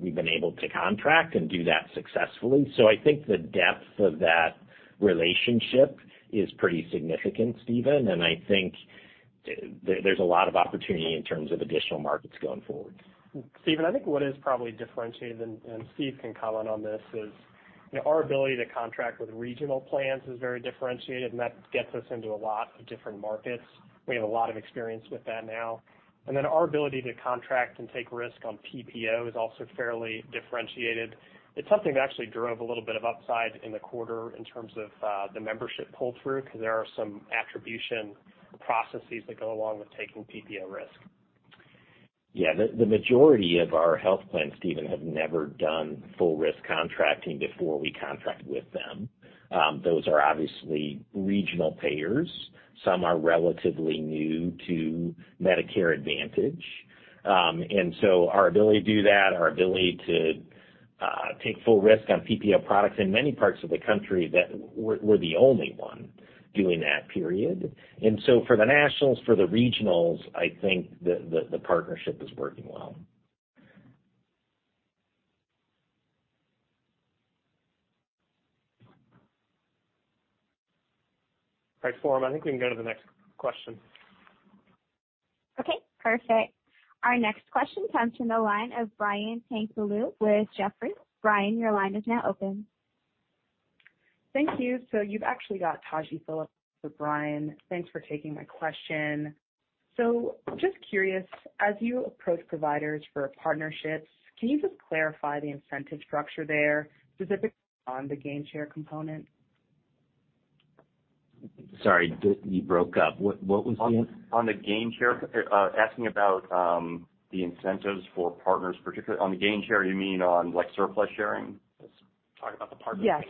[SPEAKER 3] we've been able to contract and do that successfully. I think the depth of that relationship is pretty significant, Stephen, and I think there's a lot of opportunity in terms of additional markets going forward.
[SPEAKER 4] Stephen, I think what is probably differentiated, and Steve can comment on this, is, you know, our ability to contract with regional plans is very differentiated, and that gets us into a lot of different markets. We have a lot of experience with that now. Then our ability to contract and take risk on PPO is also fairly differentiated. It's something that actually drove a little bit of upside in the quarter in terms of the membership pull-through, because there are some attribution processes that go along with taking PPO risk.
[SPEAKER 3] Yeah. The majority of our health plans, Stephen, have never done full risk contracting before we contract with them. Those are obviously regional payers. Some are relatively new to Medicare Advantage. Our ability to do that, to take full risk on PPO products in many parts of the country that we're the only one doing that, period. For the nationals, for the regionals, I think the partnership is working well.
[SPEAKER 2] Right. Forum, I think we can go to the next question.
[SPEAKER 1] Perfect. Our next question comes from the line of Brian Tanquilut with Jefferies. Brian, your line is now open.
[SPEAKER 8] Thank you. You've actually got Taji Phillips for Brian. Thanks for taking my question. Just curious, as you approach providers for partnerships, can you just clarify the incentive structure there, specifically on the gain share component?
[SPEAKER 3] Sorry, you broke up. What was the, on the gain share, asking about the incentives for partners, particularly on the gain share, you mean on like surplus sharing?
[SPEAKER 4] Let's talk about the partners.
[SPEAKER 8] Yes.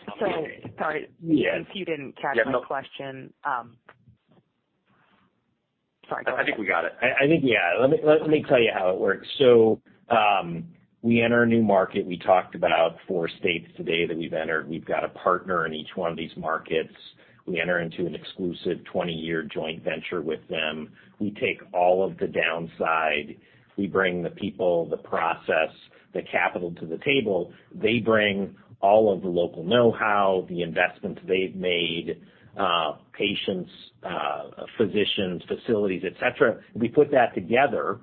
[SPEAKER 8] Sorry.
[SPEAKER 3] Yes.
[SPEAKER 8] If you didn't catch my question, sorry. Go ahead.
[SPEAKER 3] I think we got it. I think, yeah. Let me tell you how it works. So, we enter a new market. We talked about four states today that we've entered. We've got a partner in each one of these markets. We enter into an exclusive 20-year joint venture with them. We take all of the downside, we bring the people, the process, the capital to the table. They bring all of the local know-how, the investments they've made, patients, physicians, facilities, et cetera. We put that together,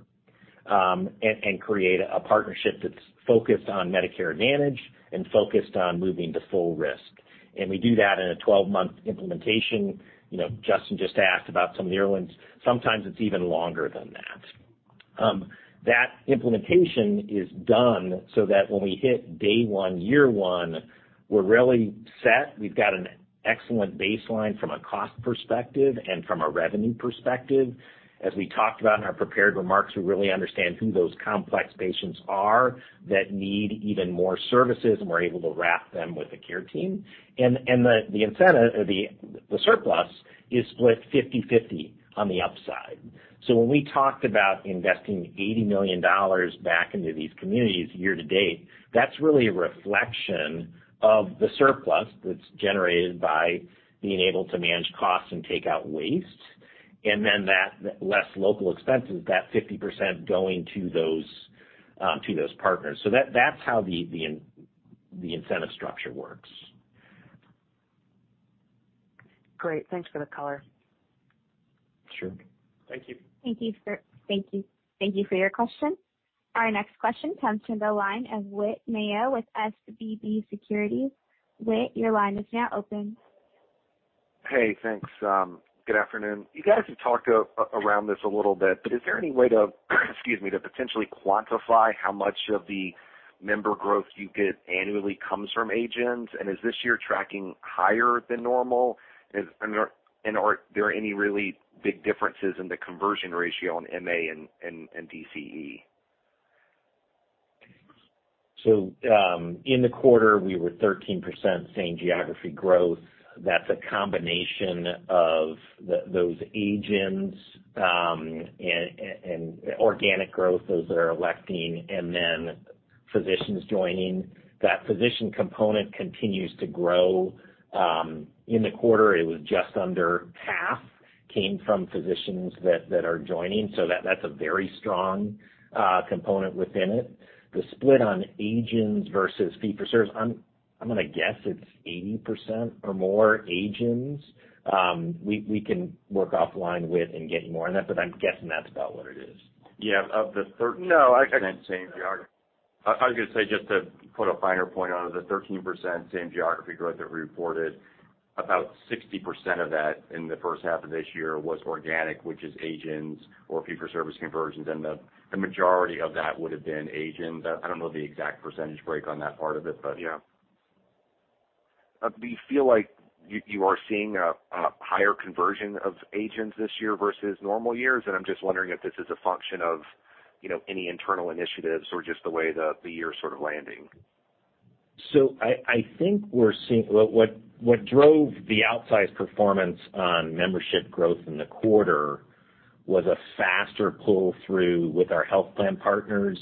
[SPEAKER 3] and create a partnership that's focused on Medicare Advantage and focused on moving to full risk. We do that in a 12-month implementation. You know, Justin just asked about some of the timelines. Sometimes it's even longer than that. That implementation is done so that when we hit day one, year one, we're really set. We've got an excellent baseline from a cost perspective and from a revenue perspective. As we talked about in our prepared remarks, we really understand who those complex patients are that need even more services, and we're able to wrap them with a care team. The incentive or the surplus is split 50/50 on the upside. When we talked about investing $80 million back into these communities year to date, that's really a reflection of the surplus that's generated by being able to manage costs and take out waste, and then that less local expenses, that 50% going to those partners. That's how the incentive structure works.
[SPEAKER 8] Great. Thanks for the color.
[SPEAKER 3] Sure.
[SPEAKER 4] Thank you.
[SPEAKER 1] Thank you, sir. Thank you. Thank you for your question. Our next question comes from the line of Whit Mayo with SVB Securities. Whit, your line is now open.
[SPEAKER 9] Hey, thanks. Good afternoon. You guys have talked around this a little bit, but is there any way to, excuse me, to potentially quantify how much of the member growth you get annually comes from agents? Is this year tracking higher than normal? I mean, are there any really big differences in the conversion ratio on MA and DCE?
[SPEAKER 3] In the quarter, we were 13% same geography growth. That's a combination of those agents and organic growth, those that are electing and then physicians joining. That physician component continues to grow in the quarter, it was just under half, came from physicians that are joining. That's a very strong component within it. The split on agents versus fee for service, I'm gonna guess it's 80% or more agents. We can work offline with you and get more on that, but I'm guessing that's about what it is.
[SPEAKER 4] Yeah, of the 13% same geography.
[SPEAKER 9] No, I.
[SPEAKER 4] I was gonna say, just to put a finer point on it, the 13% same-geography growth that we reported, about 60% of that in the first half of this year was organic, which is patients or fee-for-service conversions, and the majority of that would have been patients. I don't know the exact percentage breakdown on that part of it, but, yeah.
[SPEAKER 9] Do you feel like you are seeing a higher conversion of agents this year versus normal years? I'm just wondering if this is a function of, you know, any internal initiatives or just the way the year sort of landing.
[SPEAKER 3] I think what drove the outsized performance on membership growth in the quarter was a faster pull through with our health plan partners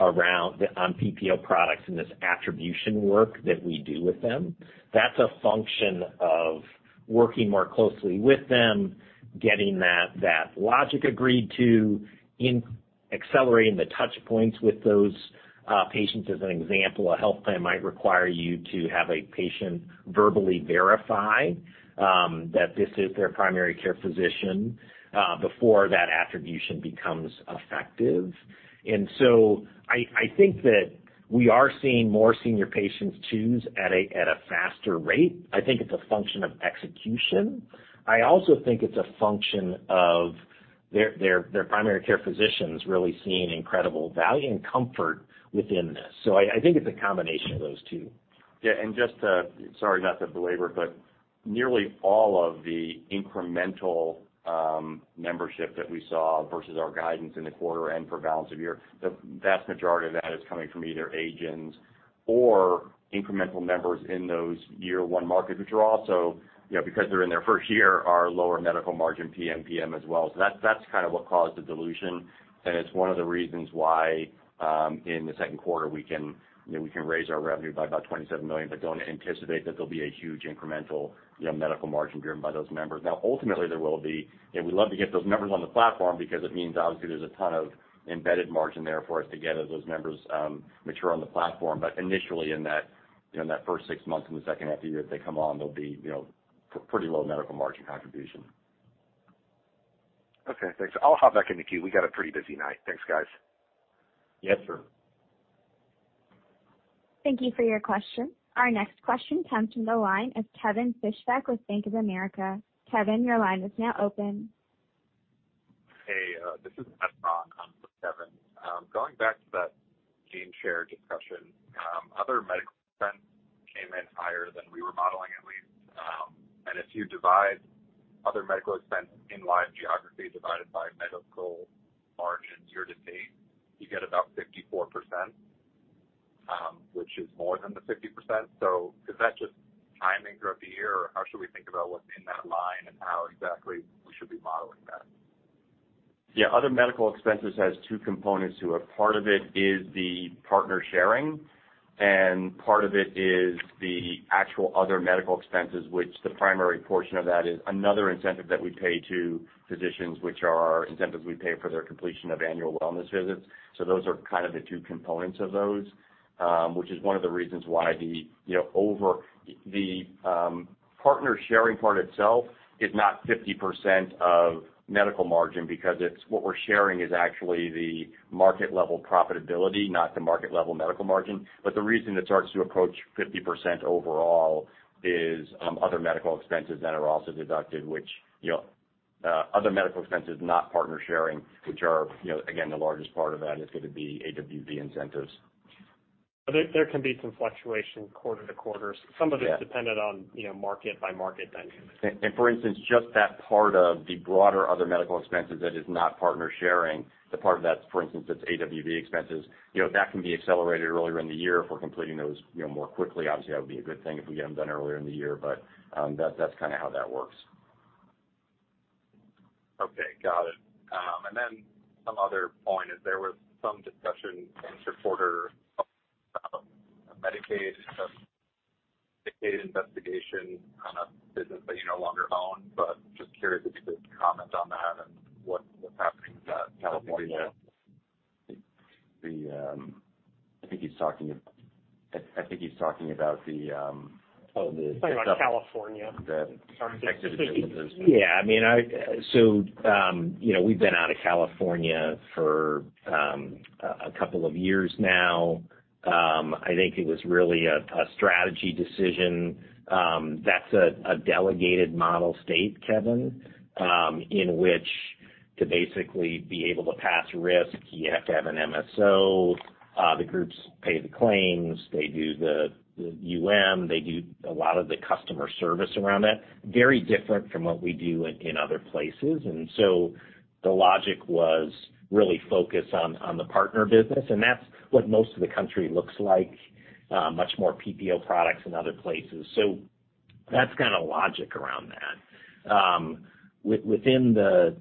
[SPEAKER 3] around on PPO products and this attribution work that we do with them. That's a function of working more closely with them, getting that logic agreed to in accelerating the touch points with those patients. As an example, a health plan might require you to have a patient verbally verify that this is their primary care physician before that attribution becomes effective. I think that we are seeing more senior patients choose at a faster rate. I think it's a function of execution. I also think it's a function of their primary care physicians really seeing incredible value and comfort within this. I think it's a combination of those two.
[SPEAKER 4] Sorry, not to belabor, but nearly all of the incremental membership that we saw versus our guidance in the quarter and for balance of year, the vast majority of that is coming from either agents or incremental members in those year one markets, which are also, you know, because they're in their first year, are lower medical margin PMPM as well. That's kind of what caused the dilution, and it's one of the reasons why, in the second quarter, we can raise our revenue by about $27 million, but don't anticipate that there'll be a huge incremental, you know, medical margin driven by those members. Now ultimately, there will be. You know, we love to get those members on the platform because it means obviously there's a ton of Embedded margin there for us to get as those members mature on the platform. Initially in that first six months in the second half of the year, if they come on, they'll be, you know, pretty low medical margin contribution.
[SPEAKER 9] Okay, thanks. I'll hop back in the queue. We got a pretty busy night. Thanks, guys.
[SPEAKER 4] Yes, sir.
[SPEAKER 1] Thank you for your question. Our next question comes from the line of Kevin Fischbeck with Bank of America. Kevin, your line is now open.
[SPEAKER 10] Hey, this is Adam Ron on for Kevin. Going back to that gain share discussion, other medical expense came in higher than we were modeling, at least. If you divide other medical expense in live geography divided by medical margins year-to-date, you get about 54%, which is more than the 50%. Is that just timing throughout the year, or how should we think about what's in that line and how exactly we should be modeling that?
[SPEAKER 4] Yeah, other medical expenses has two components to it. Part of it is the partner sharing, and part of it is the actual other medical expenses, which the primary portion of that is another incentive that we pay to physicians, which are incentives we pay for their completion of annual wellness visits. Those are kind of the two components of those, which is one of the reasons why the, you know, partner sharing part itself is not 50% of medical margin because it's, what we're sharing is actually the market level profitability, not the market level medical margin. The reason it starts to approach 50% overall is, other medical expenses that are also deducted, which, you know, other medical expenses, not partner sharing, which are, you know, again, the largest part of that is going to be AWV incentives.
[SPEAKER 2] There can be some fluctuation quarter-to-quarter.
[SPEAKER 4] Yeah.
[SPEAKER 2] Some of it's dependent on, you know, market by market dynamics.
[SPEAKER 4] For instance, just that part of the broader other medical expenses that is not partner sharing, the part that's, for instance, AWV expenses, you know, that can be accelerated earlier in the year if we're completing those, you know, more quickly. Obviously, that would be a good thing if we get them done earlier in the year. That's kind of how that works.
[SPEAKER 10] Okay, got it. Some other point is there was some discussion in your quarter about Medicaid investigation on a business that you no longer own, but just curious if you could comment on that and what’s happening with that in California?
[SPEAKER 4] I think he's talking about the
[SPEAKER 2] He's talking about California.
[SPEAKER 3] Yeah. I mean, so, you know, we've been out of California for a couple of years now. I think it was really a strategy decision. That's a delegated model state, Kevin, in which to basically be able to pass risk, you have to have an MSO. The groups pay the claims, they do the UM, they do a lot of the customer service around that. Very different from what we do in other places. The logic was really focus on the partner business, and that's what most of the country looks like, much more PPO products in other places. That's kind of logic around that. Within the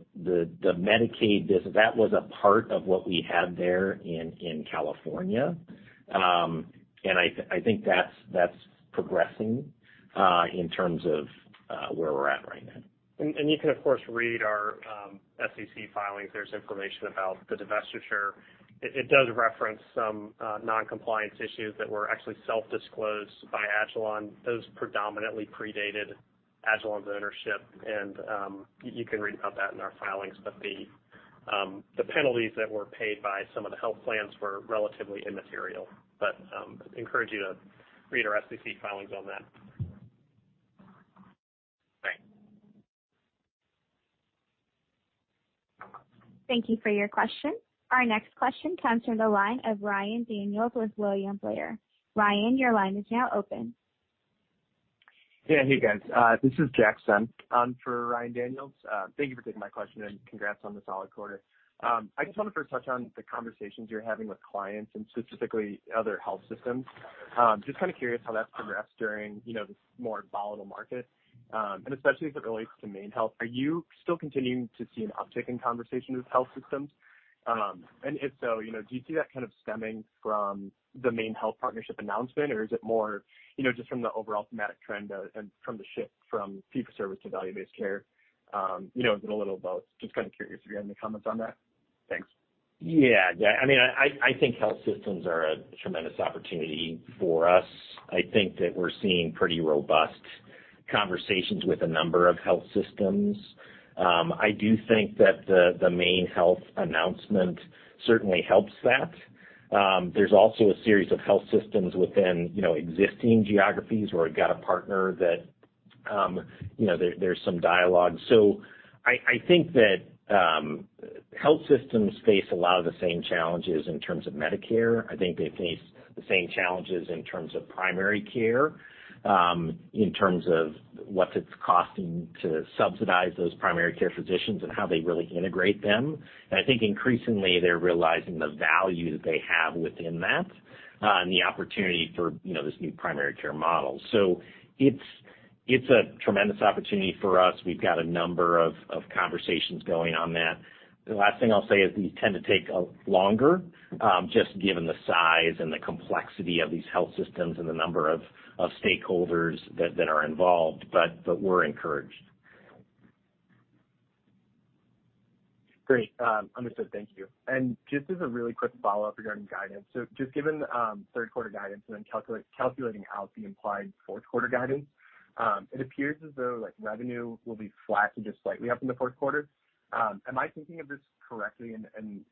[SPEAKER 3] Medicaid business, that was a part of what we had there in California. I think that's progressing in terms of where we're at right now.
[SPEAKER 2] You can, of course, read our SEC filings. There's information about the divestiture. It does reference some non-compliance issues that were actually self-disclosed by agilon. Those predominantly predated agilon's ownership, and you can read about that in our filings. The penalties that were paid by some of the health plans were relatively immaterial. Encourage you to read our SEC filings on that.
[SPEAKER 10] Thanks.
[SPEAKER 1] Thank you for your question. Our next question comes from the line of Ryan Daniels with William Blair. Ryan, your line is now open.
[SPEAKER 11] Yeah. Hey, guys. This is Jack Senft for Ryan Daniels. Thank you for taking my question, and congrats on the solid quarter. I just wanted to first touch on the conversations you're having with clients and specifically other health systems. Just kind of curious how that's progressed during, you know, this more volatile market, and especially as it relates to MaineHealth. Are you still continuing to see an uptick in conversation with health systems? If so, you know, do you see that kind of stemming from the MaineHealth partnership announcement, or is it more, you know, just from the overall thematic trend, and from the shift from fee for service to value-based care? You know, is it a little of both? Just kind of curious if you have any comments on that. Thanks.
[SPEAKER 3] Yeah. I mean, I think health systems are a tremendous opportunity for us. I think that we're seeing pretty robust conversations with a number of health systems. I do think that the MaineHealth announcement certainly helps that. There's also a series of health systems within, you know, existing geographies where we've got a partner that, you know, there's some dialogue. I think that health systems face a lot of the same challenges in terms of Medicare. I think they face the same challenges in terms of primary care, in terms of what it's costing to subsidize those primary care physicians and how they really integrate them. I think increasingly, they're realizing the value that they have within that, and the opportunity for, you know, this new primary care model. It's a tremendous opportunity for us. We've got a number of conversations going on that. The last thing I'll say is these tend to take longer, just given the size and the complexity of these health systems and the number of stakeholders that are involved, but we're encouraged.
[SPEAKER 11] Great. Understood. Thank you. Just as a really quick follow-up regarding guidance. So just given third quarter guidance and then calculating out the implied fourth quarter guidance, it appears as though like revenue will be flat to just slightly up in the fourth quarter. Am I thinking of this correctly?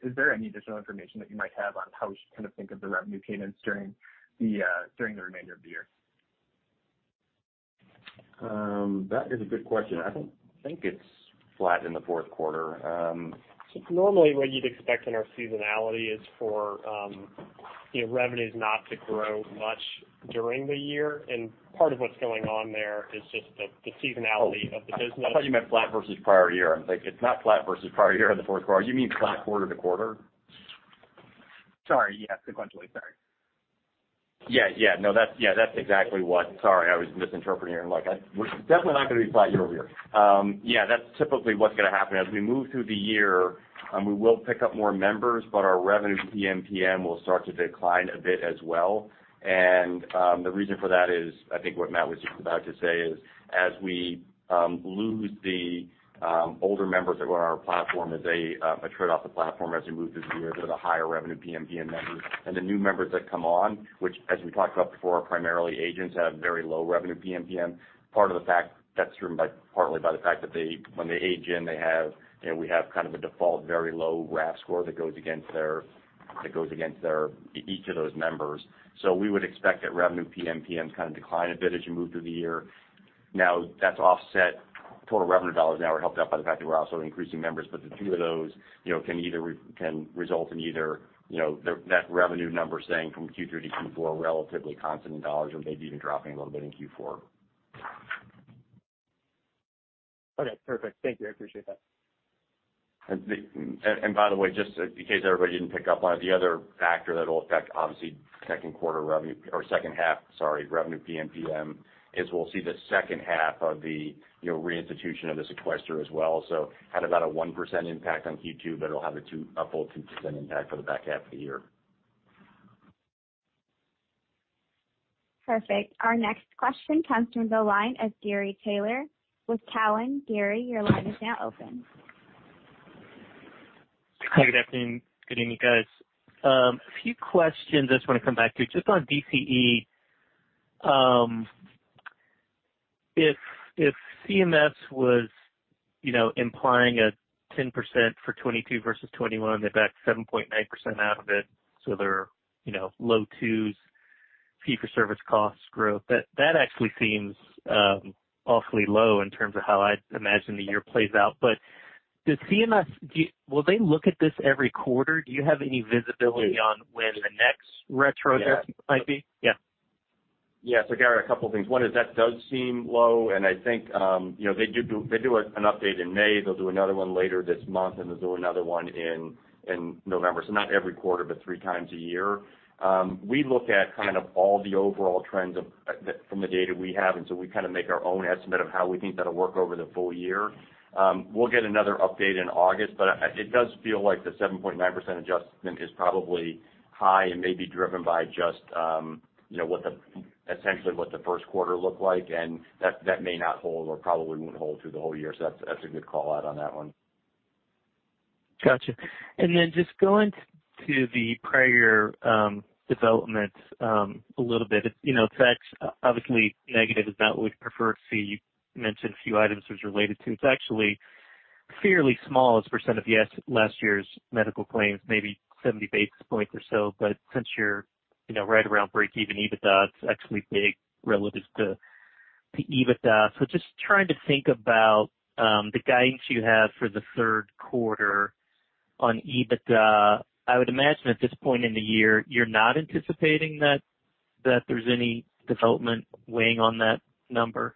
[SPEAKER 11] Is there any additional information that you might have on how we should kind of think of the revenue cadence during the remainder of the year?
[SPEAKER 4] That is a good question. I don't think it's flat in the fourth quarter.
[SPEAKER 2] Normally, what you'd expect in our seasonality is for you know, revenues not to grow much during the year. Part of what's going on there is just the seasonality of the business.
[SPEAKER 4] Oh, I thought you meant flat versus prior year. I was like, it's not flat versus prior year in the fourth quarter. You mean flat quarter to quarter?
[SPEAKER 11] Sorry. Yes. Sequentially. Sorry.
[SPEAKER 4] Yeah, yeah. No, that's exactly what. Sorry, I was misinterpreting here. Like, we're definitely not gonna be flat year-over-year. Yeah, that's typically what's gonna happen. As we move through the year, we will pick up more members, but our revenue PMPM will start to decline a bit as well. The reason for that is, I think what Matthew was just about to say is, as we lose the older members that were on our platform as they attrit off the platform as we move through the year, those are the higher revenue PMPM members. The new members that come on, which as we talked about before, are primarily agents that have very low revenue PMPM, partly by the fact that when they age in, they have, you know, we have kind of a default, very low RAF score that goes against their each of those members. So we would expect that revenue PMPMs kind of decline a bit as you move through the year. Now, that's offset. Total revenue dollars now are helped out by the fact that we're also increasing members. But the two of those, you know, can result in either, you know, that revenue number staying from Q3 to Q4 relatively constant in dollars or maybe even dropping a little bit in Q4.
[SPEAKER 11] Okay. Perfect. Thank you. I appreciate that.
[SPEAKER 4] By the way, just in case everybody didn't pick up on it, the other factor that'll affect obviously second quarter revenue or second half, sorry, revenue PMPM, is we'll see the second half of the, you know, reinstitution of the sequester as well. Had about a 1% impact on Q2, but it'll have a full 2% impact for the back half of the year.
[SPEAKER 1] Perfect. Our next question comes from the line of Gary Taylor with Cowen. Gary, your line is now open.
[SPEAKER 12] Hi, good afternoon. Good evening, guys. A few questions I just wanna come back to. Just on DCE, if CMS was, you know, implying a 10% for 2022 versus 2021, they backed 7.9% out of it, so they're, you know, low 2s% fee-for-service costs growth. That actually seems awfully low in terms of how I'd imagine the year plays out. Will they look at this every quarter? Do you have any visibility on when the next retro might be? Yeah.
[SPEAKER 4] Yeah. Gary, a couple things. One is that does seem low, and I think, you know, they do an update in May. They'll do another one later this month, and they'll do another one in November. Not every quarter, but three times a year. We look at kind of all the overall trends from the data we have, and so we kind of make our own estimate of how we think that'll work over the full year. We'll get another update in August, but it does feel like the 7.9% adjustment is probably high and may be driven by just, you know, essentially what the first quarter looked like, and that may not hold or probably wouldn't hold through the whole year. That's a good call out on that one.
[SPEAKER 12] Gotcha. Just going to the prior year, developments, a little bit. It's, you know, that's obviously negative, is not what we'd prefer to see. You mentioned a few items it was related to. It's actually fairly small as a percent of yes, last year's medical claims, maybe 70 basis points or so. Since you're, you know, right around break-even EBITDA, it's actually big relative to EBITDA. Just trying to think about the guidance you have for the third quarter on EBITDA. I would imagine at this point in the year, you're not anticipating that there's any development weighing on that number.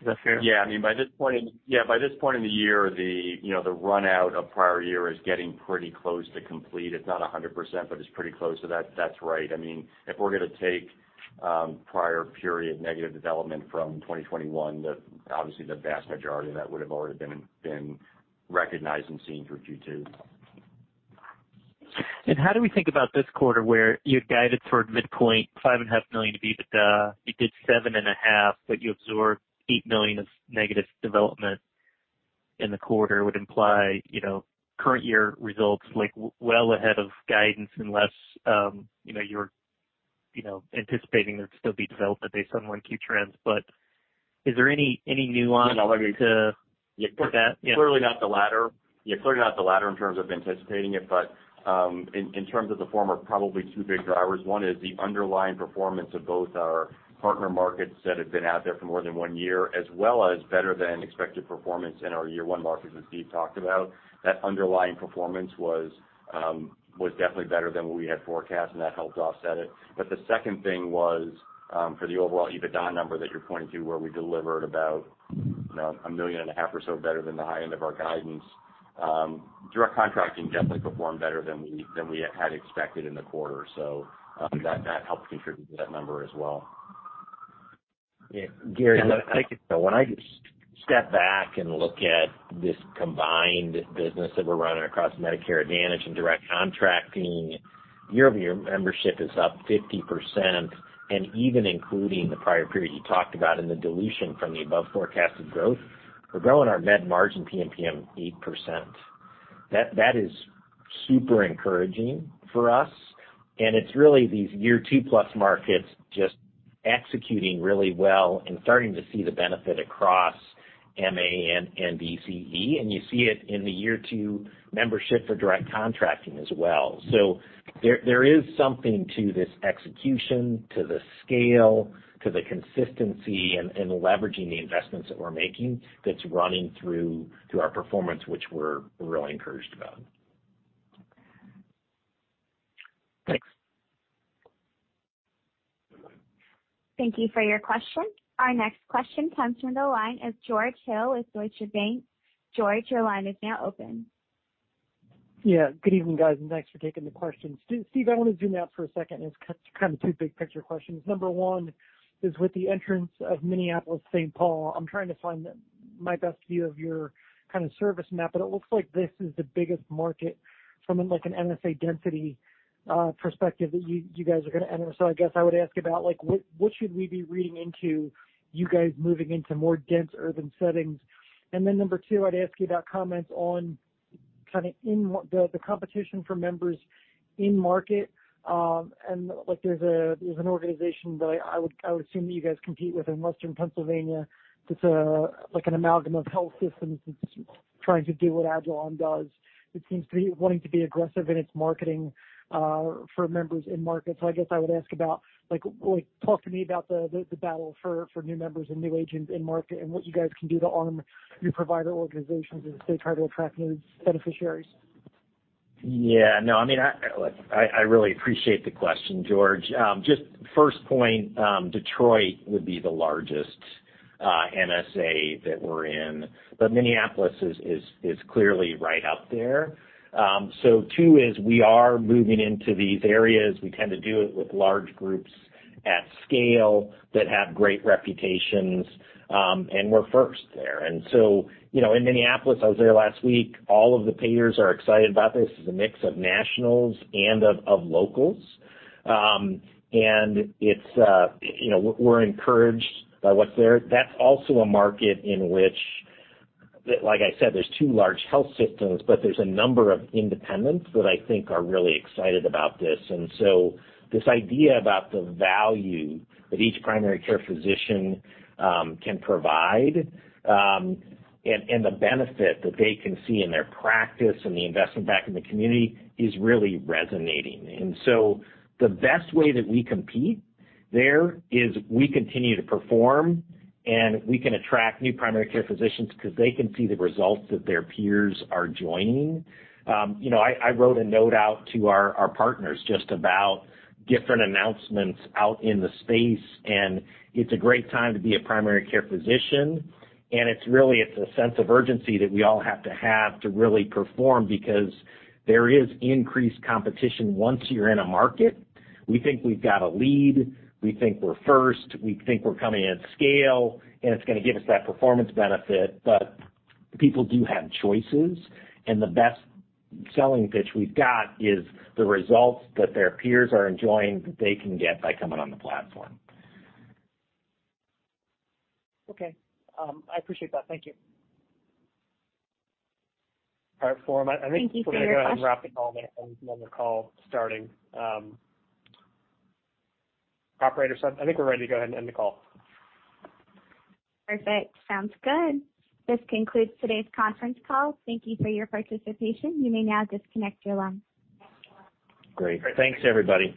[SPEAKER 12] Is that fair?
[SPEAKER 4] Yeah. I mean, by this point in the year, you know, the run out of prior year is getting pretty close to complete. It's not 100%, but it's pretty close. That's right. I mean, if we're gonna take prior period negative development from 2021, obviously the vast majority of that would have already been recognized and seen through Q2.
[SPEAKER 12] How do we think about this quarter where you had guided toward midpoint $5.5 million to EBITDA? You did $7.5 million, but you absorbed $8 million of negative development in the quarter would imply, you know, current year results like well ahead of guidance unless, you know, you're, you know, anticipating there'd still be development based on when Q trends. But is there any nuance to that?
[SPEAKER 4] Yeah. Clearly not the latter. Yeah, clearly not the latter in terms of anticipating it, but in terms of the former, probably two big drivers. One is the underlying performance of both our partner markets that have been out there for more than one year, as well as better than expected performance in our year one markets that Steve talked about. That underlying performance was definitely better than what we had forecast, and that helped offset it. The second thing was, for the overall EBITDA number that you're pointing to, where we delivered about, you know, $1.5 million or so better than the high end of our guidance, Direct Contracting definitely performed better than we had expected in the quarter. That helped contribute to that number as well.
[SPEAKER 3] Yeah, Gary, when I step back and look at this combined business that we're running across Medicare Advantage and Direct Contracting. Year-over-year membership is up 50% and even including the prior period you talked about and the dilution from the above forecasted growth, we're growing our med margin PMPM 8%. That is super encouraging for us, and it's really these year two-plus markets just executing really well and starting to see the benefit across MA and DCE. You see it in the year two membership for Direct Contracting as well. There is something to this execution, to the scale, to the consistency and leveraging the investments that we're making that's running through our performance, which we're really encouraged about.
[SPEAKER 13] Thanks.
[SPEAKER 1] Thank you for your question. Our next question comes from the line of George Hill with Deutsche Bank. George, your line is now open.
[SPEAKER 13] Yeah, good evening, guys, and thanks for taking the questions. Steve, I wanna zoom out for a second. It's kind of two big picture questions. Number one is with the entrance of Minneapolis-Saint Paul, I'm trying to find my best view of your kind of service map, but it looks like this is the biggest market from, like, an MSA density perspective that you guys are gonna enter. So I guess I would ask about, like what should we be reading into you guys moving into more dense urban settings. Number two, I'd ask you about comments on kinda the competition for members in market. Like, there's an organization that I would assume that you guys compete with in western Pennsylvania that's like an amalgam of health systems that's trying to do what agilon does. It seems to be wanting to be aggressive in its marketing for members in market. I guess I would ask about like talk to me about the battle for new members and new agents in market and what you guys can do to arm your provider organizations as they try to attract new beneficiaries.
[SPEAKER 3] Yeah, no, I mean, like, I really appreciate the question, George. Just first point, Detroit would be the largest MSA that we're in, but Minneapolis is clearly right up there. Two is we are moving into these areas. We tend to do it with large groups at scale that have great reputations, and we're first there. You know, in Minneapolis, I was there last week, all of the payers are excited about this. This is a mix of nationals and of locals. And it's, you know, we're encouraged by what's there. That's also a market in which, like I said, there's two large health systems, but there's a number of independents that I think are really excited about this. This idea about the value that each primary care physician can provide, and the benefit that they can see in their practice and the investment back in the community is really resonating. The best way that we compete there is we continue to perform, and we can attract new primary care physicians 'cause they can see the results that their peers are joining. You know, I wrote a note out to our partners just about different announcements out in the space, and it's a great time to be a primary care physician. It's really a sense of urgency that we all have to have to really perform because there is increased competition once you're in a market. We think we've got a lead. We think we're first. We think we're coming at scale, and it's gonna give us that performance benefit. People do have choices, and the best selling pitch we've got is the results that their peers are enjoying that they can get by coming on the platform.
[SPEAKER 13] Okay. I appreciate that. Thank you.
[SPEAKER 2] All right. Forum, I think we're gonna go ahead and wrap the call there.
[SPEAKER 1] Thank you for your question.
[SPEAKER 2] Operator, so I think we're ready to go ahead and end the call.
[SPEAKER 1] Perfect. Sounds good. This concludes today's conference call. Thank you for your participation. You may now disconnect your line.
[SPEAKER 3] Great. Thanks, everybody.